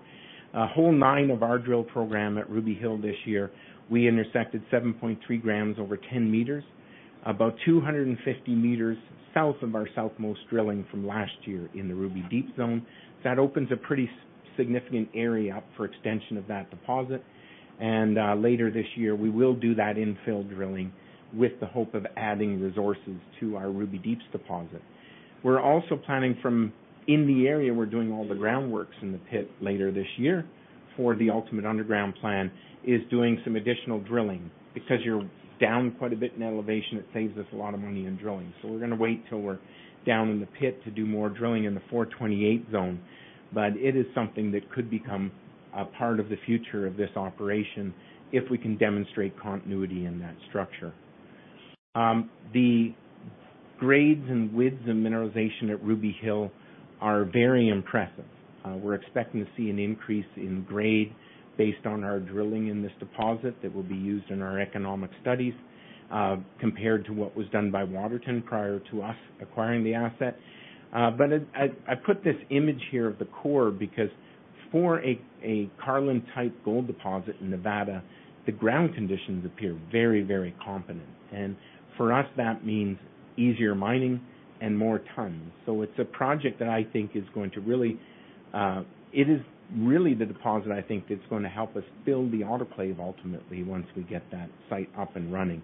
Hole 9 of our drill program at Ruby Hill this year, we intersected 7.3 g over 10 m, about 250 m south of our southernmost drilling from last year in the Ruby Deeps zone. That opens a pretty significant area up for extension of that deposit. Later this year, we will do that infill drilling with the hope of adding resources to our Ruby Deeps deposit. We're also planning from in the area we're doing all the groundworks in the pit later this year for the ultimate underground plan, is doing some additional drilling. Because you're down quite a bit in elevation, it saves us a lot of money in drilling. We're gonna wait till we're down in the pit to do more drilling in the 428 Zone. It is something that could become a part of the future of this operation if we can demonstrate continuity in that structure. The grades and widths and mineralization at Ruby Hill are very impressive. We're expecting to see an increase in grade based on our drilling in this deposit that will be used in our economic studies, compared to what was done by Waterton prior to us acquiring the asset. I put this image here of the core because for a Carlin-type gold deposit in Nevada, the ground conditions appear very, very competent. For us, that means easier mining and more tons. It's a project that I think is going to really. It is really the deposit, I think, that's gonna help us build the autoclave ultimately once we get that site up and running.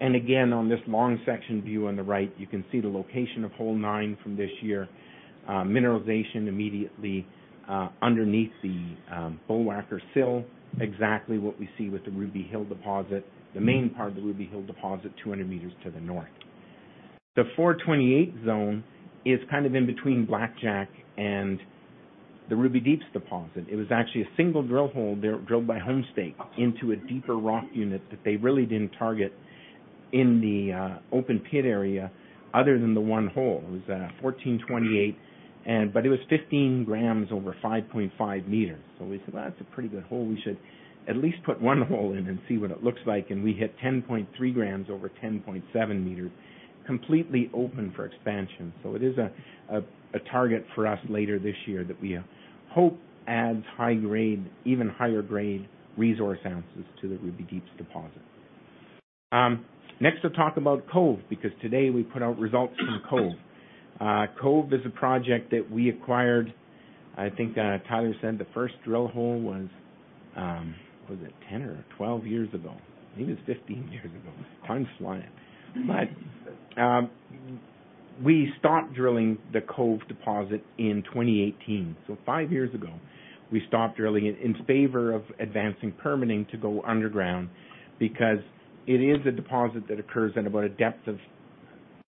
Again, on this long section view on the right, you can see the location of Hole 9 from this year. Mineralization immediately underneath the Bullwhacker Sill, exactly what we see with the Ruby Hill deposit, the main part of the Ruby Hill deposit, 200 m to the north. The 428 zone is kind of in between Blackjack and the Ruby Deeps deposit. It was actually a single drill hole drilled by Homestake into a deeper rock unit that they really didn't target in the open pit area other than the 1 hole. It was 1428, but it was 15 g over 5.5 m. So we said, "Well, that's a pretty good hole. We should at least put one hole in and see what it looks like." We hit 10.3 g over 10.7 m completely open for expansion. It is a target for us later this year that we hope adds high grade, even higher grade resource ounces to the Ruby Deeps deposit. Next, I'll talk about Cove because today we put out results from Cove. Cove is a project that we acquired, I think, Tyler said the first drill hole was it 10 or 12 years ago? Maybe it was 15 years ago. Time flying. We stopped drilling the Cove deposit in 2018. Five years ago, we stopped drilling it in favor of advancing permitting to go underground because it is a deposit that occurs at about a depth of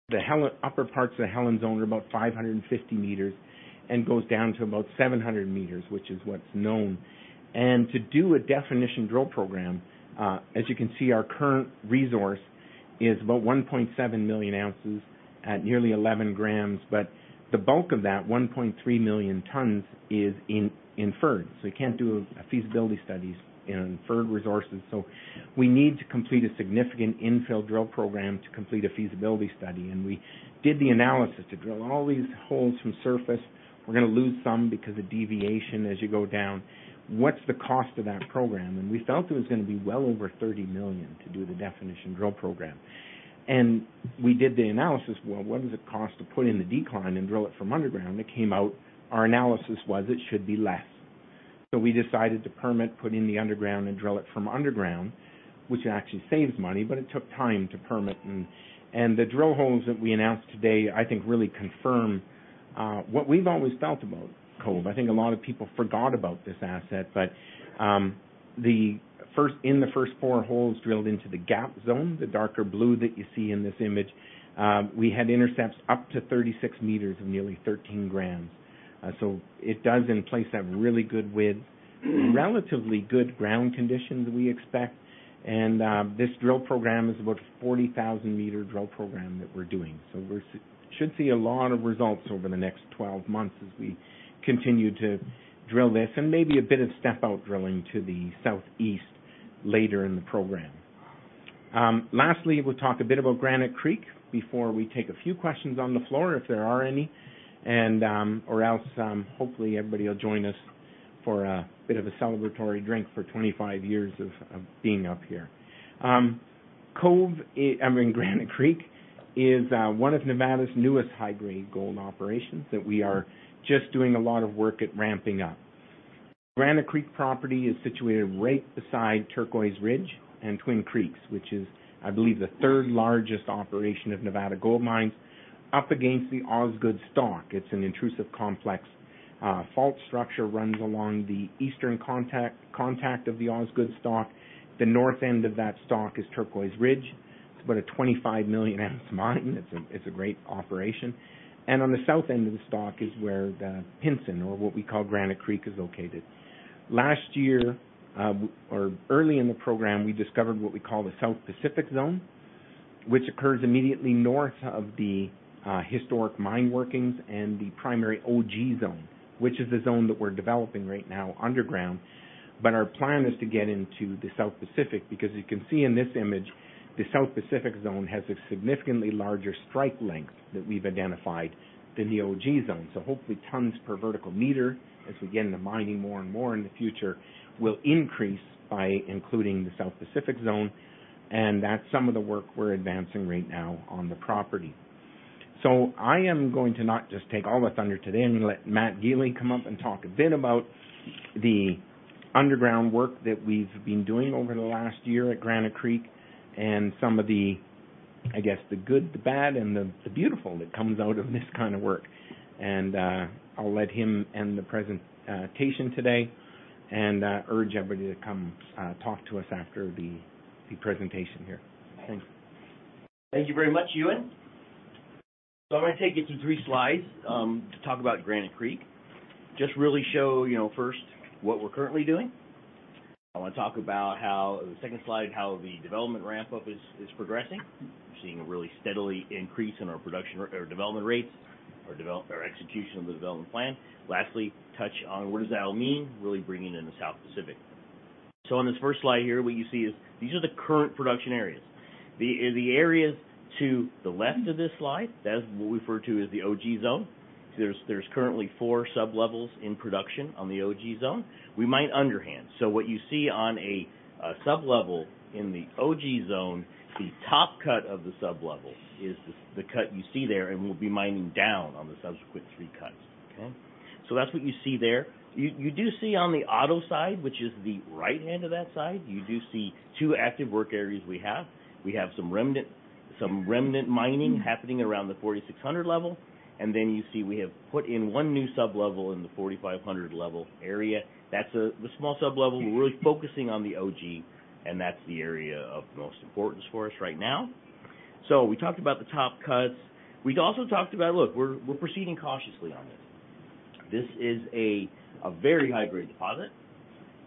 the upper parts of the Helen Zone are about 550 m and goes down to about 700 m, which is what's known. To do a definition drill program, as you can see, our current resource is about 1.7 million ounces at nearly 11 g. The bulk of that, 1.3 million tons is inferred. You can't do feasibility studies in inferred resources. We need to complete a significant infill drill program to complete a feasibility study. We did the analysis to drill all these holes from surface. We're gonna lose some because of deviation as you go down. What's the cost of that program? We felt it was gonna be well over $30 million to do the definition drill program. We did the analysis, well, what does it cost to put in the decline and drill it from underground? It came out, our analysis was it should be less. We decided to permit, put in the underground, and drill it from underground, which actually saves money, but it took time to permit. The drill holes that we announced today I think really confirm, what we've always felt about Cove, I think a lot of people forgot about this asset, but, in the first four holes drilled into the gap zone, the darker blue that you see in this image, we had intercepts up to 36 m and nearly 13 g. So it does in place have really good width, relatively good ground conditions, we expect, and this drill program is about a 40,000 m drill program that we're doing. We should see a lot of results over the next 12 months as we continue to drill this, and maybe a bit of step out drilling to the southeast later in the program. Lastly, we'll talk a bit about Granite Creek before we take a few questions on the floor, if there are any. Hopefully everybody will join us for a bit of a celebratory drink for 25 years of being up here. I mean, Granite Creek is one of Nevada's newest high-grade gold operations that we are just doing a lot of work at ramping up. Granite Creek property is situated right beside Turquoise Ridge and Twin Creeks, which is, I believe, the third largest operation of Nevada Gold Mines up against the Osgood Stock. It's an intrusive, complex, fault structure, runs along the eastern contact of the Osgood Stock. The north end of that stock is Turquoise Ridge. It's a great operation. On the south end of the stock is where the Pinson, or what we call Granite Creek, is located. Last year, or early in the program, we discovered what we call the South Pacific Zone, which occurs immediately north of the historic mine workings and the primary Ogee Zone, which is the zone that we're developing right now underground. Our plan is to get into the South Pacific, because you can see in this image, the South Pacific Zone has a significantly larger strike length that we've identified than the Ogee Zone. Hopefully, tons per vertical meter, as we get into mining more and more in the future, will increase by including the South Pacific Zone, and that's some of the work we're advancing right now on the property. I am going to not just take all the thunder today. I'm gonna let Matt Gili come up and talk a bit about the underground work that we've been doing over the last year at Granite Creek and some of the, I guess, the good, the bad, and the beautiful that comes out of this kind of work. I'll let him end the presentation today and urge everybody to come talk to us after the presentation here. Thanks. Thank you very much, Ewan. I'm gonna take you through three slides, to talk about Granite Creek. Just really show, you know, first, what we're currently doing. I wanna talk about how, the second slide, how the development ramp-up is progressing. We're seeing a really steadily increase in our production or development rates, our execution of the development plan. Lastly, touch on what does that all mean, really bringing in the South Pacific. On this first slide here, what you see is these are the current production areas. The areas to the left of this slide, that's what we refer to as the Ogee Zone. There's currently four sub-levels in production on the Ogee Zone. We mine underhand. What you see on a sub-level in the Otto Zone, the top cut of the sub-level is the cut you see there, and we'll be mining down on the subsequent three cuts. Okay? That's what you see there. You do see on the Otto side, which is the right hand of that side, you do see two active work areas we have. We have some remnant mining happening around the 4,600 level. You see we have put in one new sub-level in the 4,500 level area. That's the small sub-level. We're really focusing on the Otto, and that's the area of most importance for us right now. We talked about the top cuts. We'd also talked about, look, we're proceeding cautiously on this. This is a very high-grade deposit.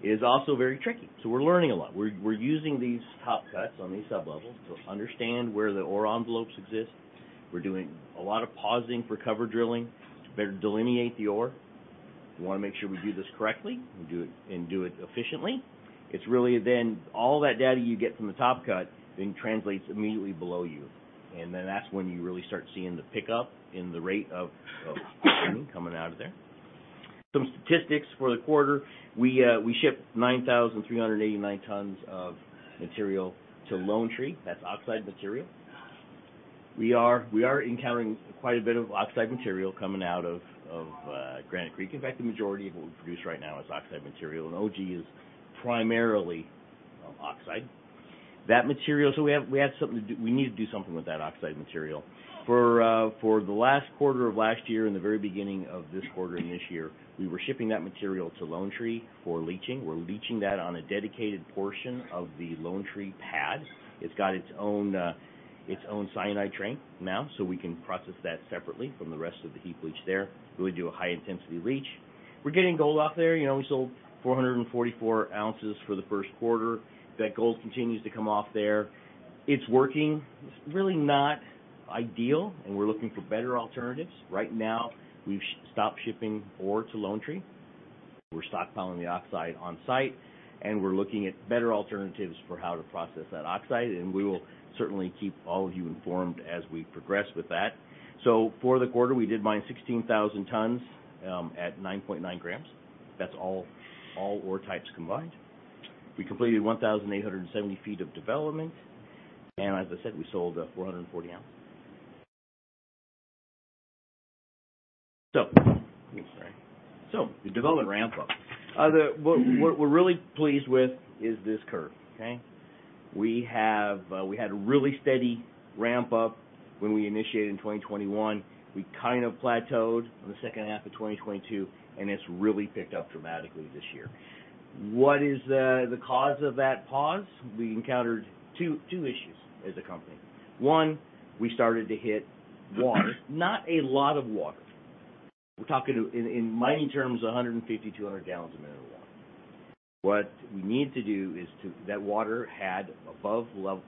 It is also very tricky. We're learning a lot. We're using these top cuts on these sub-levels to understand where the ore envelopes exist. We're doing a lot of pausing for cover drilling to better delineate the ore. We wanna make sure we do this correctly and do it efficiently. It's really all that data you get from the top cut then translates immediately below you. That's when you really start seeing the pickup in the rate of mining coming out of there. Some statistics for the quarter. We shipped 9,389 tons of material to Lone Tree. That's oxide material. We are encountering quite a bit of oxide material coming out of Granite Creek. In fact, the majority of what we produce right now is oxide material, and Ogee is primarily oxide. That material. We have something we need to do with that oxide material. For the last quarter of last year and the very beginning of this quarter and this year, we were shipping that material to Lone Tree for leaching. We're leaching that on a dedicated portion of the Lone Tree pad. It's got its own, its own cyanide train now, so we can process that separately from the rest of the heap leach there. We would do a high-intensity leach. We're getting gold off there. You know, we sold 444 ounces for the first quarter. That gold continues to come off there. It's working. It's really not ideal, and we're looking for better alternatives. Right now, we've stopped shipping ore to Lone Tree. We're stockpiling the oxide on site, and we're looking at better alternatives for how to process that oxide. We will certainly keep all of you informed as we progress with that. For the quarter, we did mine 16,000 tons at 9.9 g. That's all ore types combined. We completed 1,870 ft of development and, as I said, we sold 440 ounces. The development ramp up. What we're really pleased with is this curve, okay? We have, we had a really steady ramp up when we initiated in 2021. We kind of plateaued on the second half of 2022. It's really picked up dramatically this year. What is the cause of that pause? We encountered two issues as a company. One, we started to hit water. Not a lot of water. We're talking, in mining terms, 150, 200 gal. a minute of water. What we need to do is. That water had above level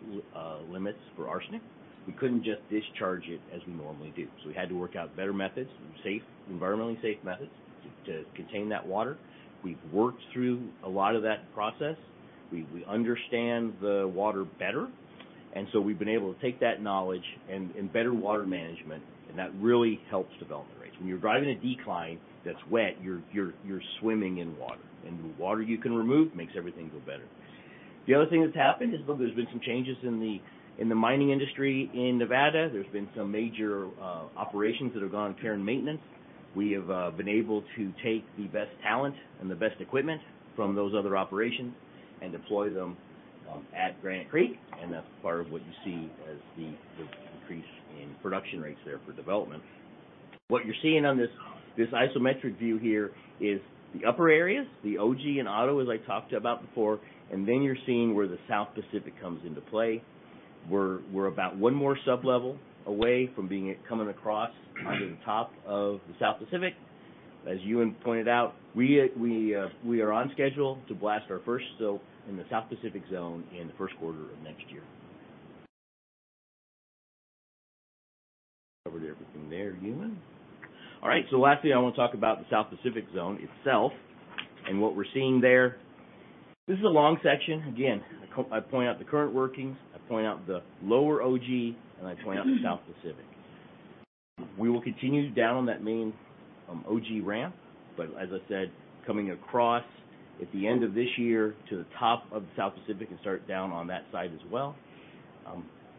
limits for arsenic. We couldn't just discharge it as we normally do. We had to work out better methods, safe, environmentally safe methods to contain that water. We've worked through a lot of that process. We understand the water better, we've been able to take that knowledge and better water management. That really helps development rates. When you're driving a decline that's wet, you're swimming in water. Any water you can remove makes everything go better. The other thing that's happened is there's been some changes in the mining industry in Nevada. There's been some major operations that have gone to care and maintenance. We have been able to take the best talent and the best equipment from those other operations and deploy them at Granite Creek. That's part of what you see as the increase in production rates there for development. What you're seeing on this isometric view here is the upper areas, the Ogee and Otto, as I talked about before. Then you're seeing where the South Pacific comes into play. We're about one more sublevel away from being coming across onto the top of the South Pacific. As Ewan pointed out, we are on schedule to blast our first stope in the South Pacific Zone in the first quarter of next year. Covered everything there, Ewan. Lastly, I wanna talk about the South Pacific Zone itself and what we're seeing there. This is a long section. Again, I point out the current workings, I point out the lower Ogee, and I point out the South Pacific. We will continue down that main Ogee ramp. As I said, coming across at the end of this year to the top of the South Pacific and start down on that side as well.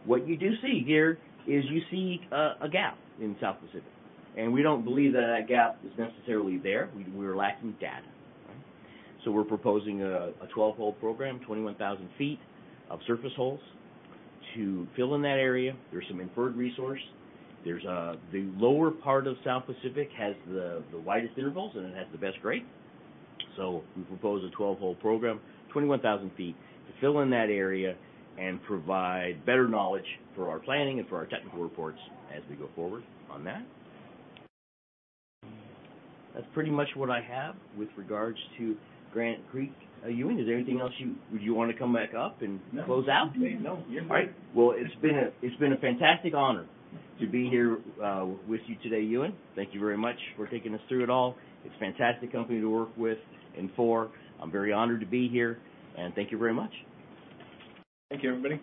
What you do see here is you see a gap in South Pacific. We don't believe that that gap is necessarily there. We're lacking data. We're proposing a 12-hole program, 21,000 ft of surface holes to fill in that area. There's some inferred resource. There's the lower part of South Pacific has the widest intervals, and it has the best grade. We propose a 12-hole program, 21,000 ft, to fill in that area and provide better knowledge for our planning and for our technical reports as we go forward on that. That's pretty much what I have with regards to Granite Creek. Ewan, is there anything else? Do you wanna come back up and close out? No. All right. Well, it's been a fantastic honor to be here with you today, Ewan. Thank you very much for taking us through it all. It's a fantastic company to work with and for. I'm very honored to be here, and thank you very much. Thank you, everybody.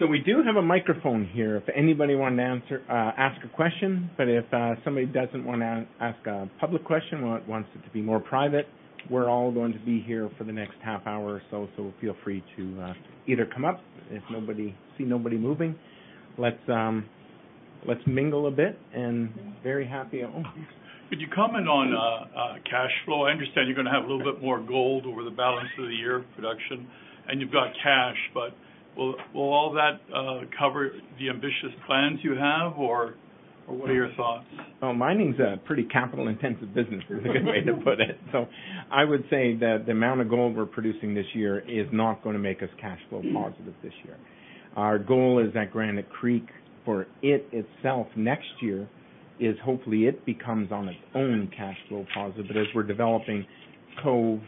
We do have a microphone here if anybody wanted to ask a question. If somebody doesn't wanna ask a public question or wants it to be more private, we're all going to be here for the next half hour or so, feel free to either come up. If nobody, see nobody moving, let's mingle a bit, very happy to... Could you comment on cash flow? I understand you're gonna have a little bit more gold over the balance of the year production, and you've got cash, but will all that cover the ambitious plans you have, or what are your thoughts? Well, mining's a pretty capital-intensive business is a good way to put it. I would say that the amount of gold we're producing this year is not gonna make us cash flow positive this year. Our goal is at Granite Creek for it itself next year is hopefully it becomes on its own cash flow positive. As we're developing Cove,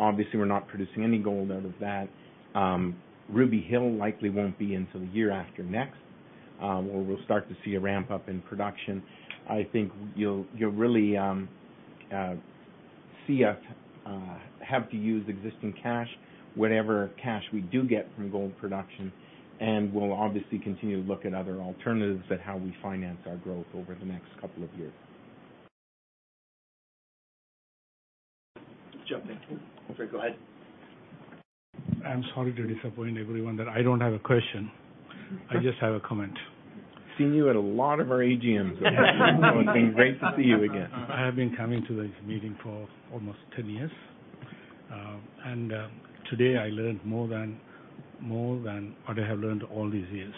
obviously we're not producing any gold out of that. Ruby Hill likely won't be until the year after next, where we'll start to see a ramp up in production. I think you'll really see us have to use existing cash, whatever cash we do get from gold production. We'll obviously continue to look at other alternatives at how we finance our growth over the next couple of years. Jump in. Sorry, go ahead. I'm sorry to disappoint everyone that I don't have a question. I just have a comment. Seen you at a lot of our AGMs. It's great to see you again. I have been coming to this meeting for almost 10 years, and today I learned more than what I have learned all these years.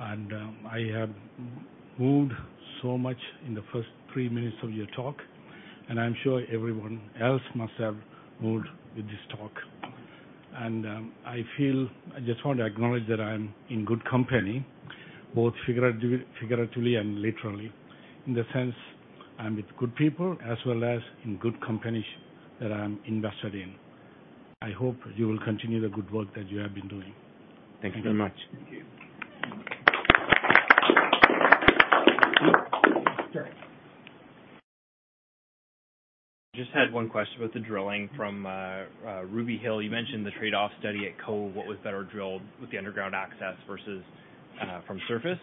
I have moved so much in the first three minutes of your talk, and I'm sure everyone else must have moved with this talk. I feel, I just want to acknowledge that I'm in good company, both figuratively and literally, in the sense I'm with good people as well as in good companies that I'm invested in. I hope you will continue the good work that you have been doing. Thank you very much. Thank you. Just had one question about the drilling from Ruby Hill. You mentioned the trade-off study at Cove. What was better drilled with the underground access versus from surface?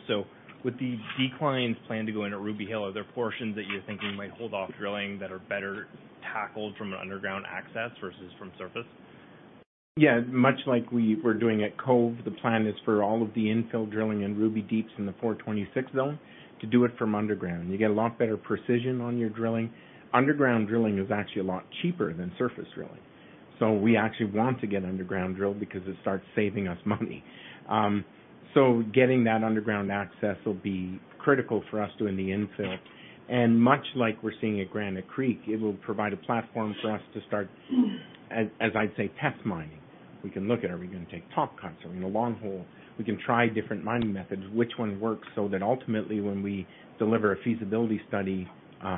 With the declines planned to go into Ruby Hill, are there portions that you're thinking might hold off drilling that are better tackled from an underground access versus from surface? Yeah, much like we're doing at Cove, the plan is for all of the infill drilling in Ruby Deeps in the 426 Zone to do it from underground. You get a lot better precision on your drilling. Underground drilling is actually a lot cheaper than surface drilling. We actually want to get an underground drill because it starts saving us money. Getting that underground access will be critical for us doing the infill. Much like we're seeing at Granite Creek, it will provide a platform for us to start, as I'd say, test mining. We can look at are we gonna take top cuts? Are we gonna longhole? We can try different mining methods, which one works so that ultimately, when we deliver a feasibility study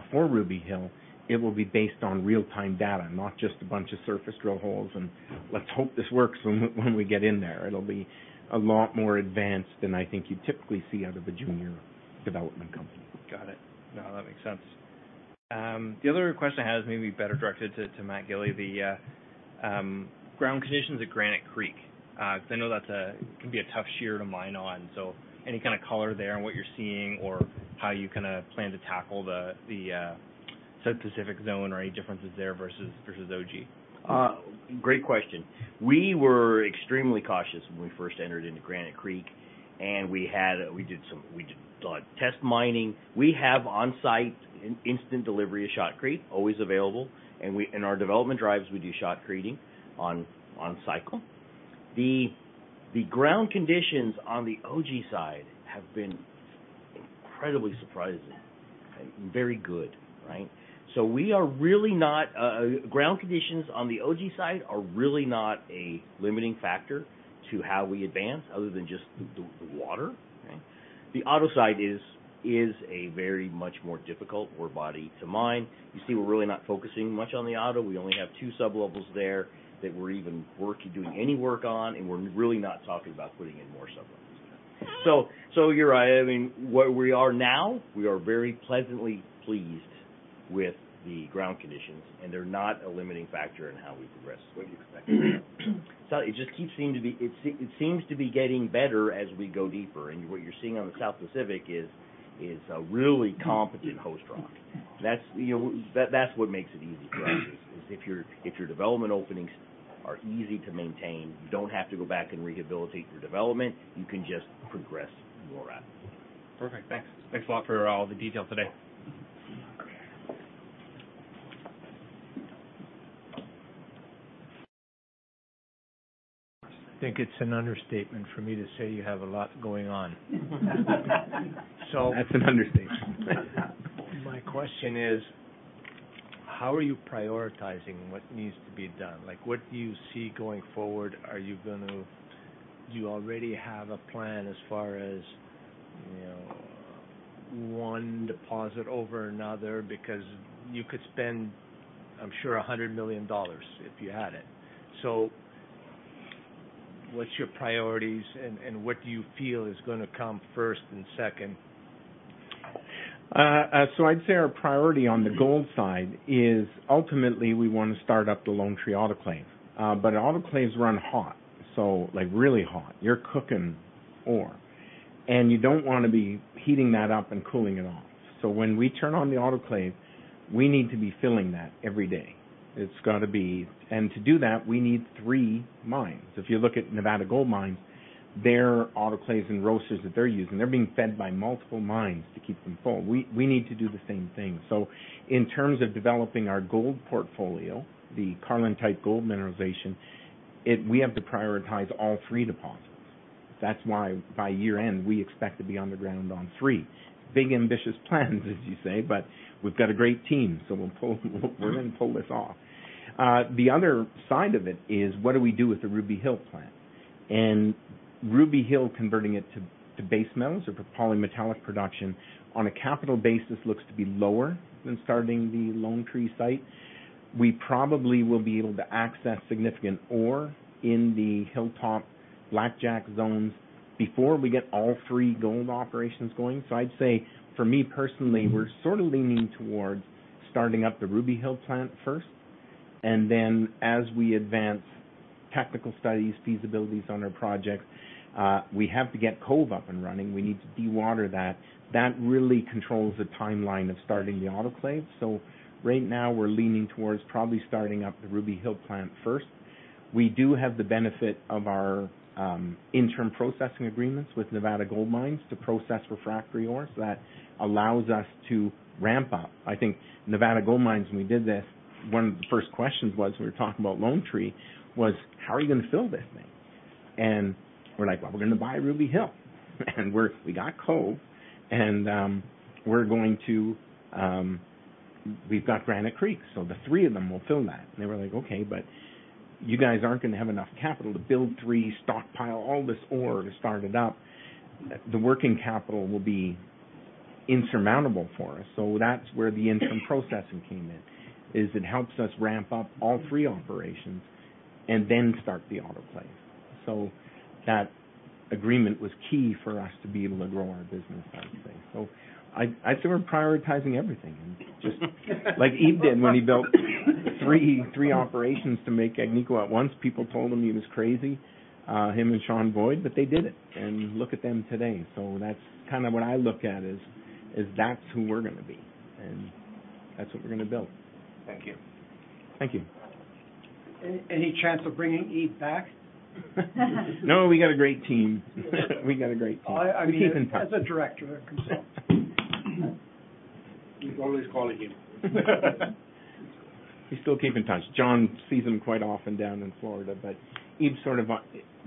for Ruby Hill, it will be based on real-time data, not just a bunch of surface drill holes, and let's hope this works when we get in there. It'll be a lot more advanced than I think you'd typically see out of a junior development company. Got it. No, that makes sense. The other question I had is maybe better directed to Matt Gili, the ground conditions at Granite Creek, because I know that's a can be a tough shear to mine on, so any kinda color there in what you're seeing or how you kinda plan to tackle the South Pacific Zone or any differences there versus Ogee? Great question. We were extremely cautious when we first entered into Granite Creek. We did a lot of test mining. We have on-site in-instant delivery of shotcrete always available. We, in our development drives, we do shotcreting on cycle. The ground conditions on the Ogee side have been incredibly surprising. Very good, right? We are really not, ground conditions on the Ogee side are really not a limiting factor to how we advance other than just the water, right? The Otto side is a very much more difficult ore body to mine. You see we're really not focusing much on the Otto. We only have two sublevels there that we're even doing any work on, and we're really not talking about putting in more sublevels there. You're right. I mean, where we are now, we are very pleasantly pleased with the ground conditions, and they're not a limiting factor in how we progress. What you expected? It just keeps seeming to be. It seems to be getting better as we go deeper. What you're seeing on the South Pacific is a really competent host rock. That's, you know, that's what makes it easy for us is if your development openings are easy to maintain, you don't have to go back and rehabilitate your development, you can just progress more rapidly. Perfect. Thanks. Thanks a lot for all the detail today. I think it's an understatement for me to say you have a lot going on. That's an understatement. My question is, how are you prioritizing what needs to be done? Like, what do you see going forward? Do you already have a plan as far as, you know, one deposit over another? Because you could spend, I'm sure, $100 million if you had it. What's your priorities, and what do you feel is going to come first and second? I'd say our priority on the gold side is ultimately we want to start up the Lone Tree autoclave. Autoclaves run hot, so like really hot. You're cooking ore. You don't want to be heating that up and cooling it off. When we turn on the autoclave, we need to be filling that every day. To do that, we need three mines. If you look at Nevada Gold Mines, their autoclaves and roasters that they're using, they're being fed by multiple mines to keep them full. We need to do the same thing. In terms of developing our gold portfolio, the Carlin-type gold mineralization, we have to prioritize all three deposits. That's why by year-end, we expect to be underground on three. Big, ambitious plans, as you say, but we've got a great team, so we're gonna pull this off. The other side of it is what do we do with the Ruby Hill plant? Ruby Hill converting it to base metals or for polymetallic production on a capital basis looks to be lower than starting the Lone Tree site. We probably will be able to access significant ore in the Hilltop Blackjack zones before we get all three gold operations going. I'd say for me personally, we're sort of leaning towards starting up the Ruby Hill plant first and then as we advance technical studies, feasibilities on our projects, we have to get Cove up and running. We need to dewater that. That really controls the timeline of starting the autoclave. Right now we're leaning towards probably starting up the Ruby Hill plant first. We do have the benefit of our interim processing agreements with Nevada Gold Mines to process refractory ores. That allows us to ramp up. I think Nevada Gold Mines, when we did this, one of the first questions was, we were talking about Lone Tree, was, "How are you going to fill this thing?" We're like, "Well, we're going to buy Ruby Hill. We got Cove, we're going to, we've got Granite Creek, so the three of them will fill that. They were like, "Okay, you guys aren't gonna have enough capital to build three, stockpile all this ore to start it up." The working capital will be insurmountable for us, that's where the interim processing came in, is it helps us ramp up all three operations and then start the autoclave. That agreement was key for us to be able to grow our business, I would say. I'd say we're prioritizing everything and Just like Ebe did when he built three operations to make Agnico at once. People told him he was crazy, him and Sean Boyd. They did it. Look at them today. That's kinda what I look at is that's who we're gonna be, and that's what we're gonna build. Thank you. Thank you. Any chance of bringing Ebe back? No, we got a great team. We got a great team. I mean, we keep in touch as a director consult. You can always call Ebe. We still keep in touch. John sees him quite often down in Florida. Ebe sort of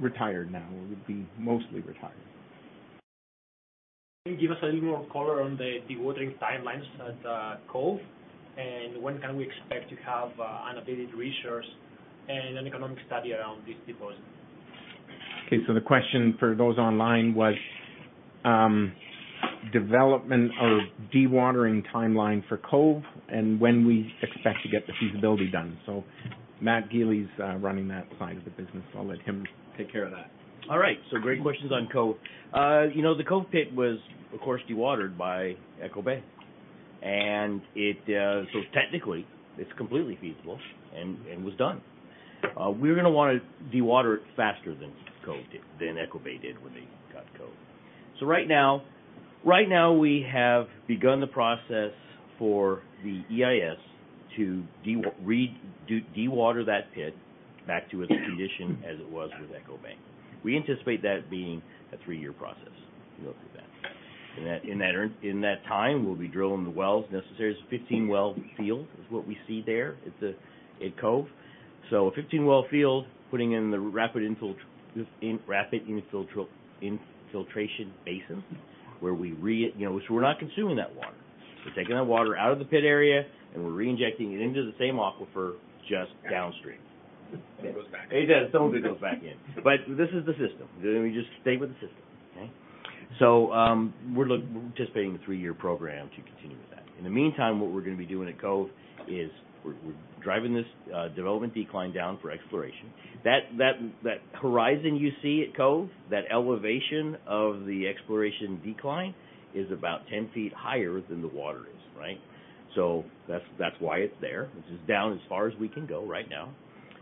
retired now, or would be mostly retired. Can you give us a little more color on the dewatering timelines at Cove? When can we expect to have an updated resource and an economic study around this deposit? Okay. The question for those online was, development or dewatering timeline for Cove and when we expect to get the feasibility done. Matt Gili's running that side of the business. I'll let him take care of that. All right. Great questions on Cove. You know, the Cove pit was, of course, dewatered by Echo Bay. It's completely feasible and was done. We're gonna wanna dewater it faster than Echo Bay did when they got Cove. Right now we have begun the process for the EIS to dewater that pit back to its condition as it was with Echo Bay. We anticipate that being a three-year process to go through that. In that time, we'll be drilling the wells necessary. It's a 15-well field is what we see there at the, at Cove. A 15-well field, putting in the rapid infiltration basin where we're not consuming that water. We're taking that water out of the pit area and we're reinjecting it into the same aquifer just downstream. It goes back in. It does, some of it goes back in. This is the system. We just stay with the system, okay? We're anticipating a three-year program to continue with that. In the meantime, what we're gonna be doing at Cove is we're driving this development decline down for exploration. That horizon you see at Cove, that elevation of the exploration decline, is about 10 ft higher than the water is, right? That's why it's there. This is down as far as we can go right now.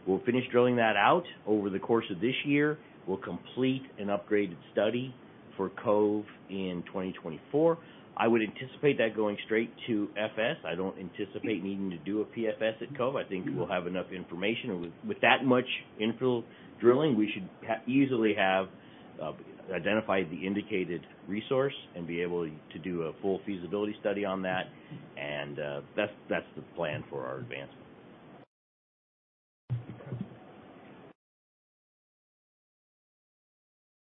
We'll finish drilling that out over the course of this year. We'll complete an upgraded study for Cove in 2024. I would anticipate that going straight to FS. I don't anticipate needing to do a PFS at Cove. I think we'll have enough information. With that much infill drilling, we should easily have identify the indicated resource and be able to do a full feasibility study on that. That's the plan for our advancement.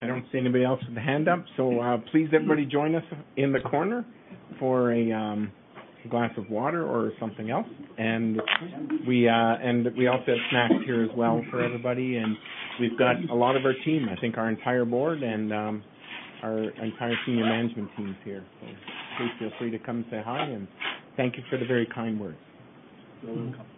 I don't see anybody else with a hand up. Please, everybody join us in the corner for a glass of water or something else. We also have snacks here as well for everybody. We've got a lot of our team, I think our entire board and our entire senior management team's here. Please feel free to come say hi, and thank you for the very kind words.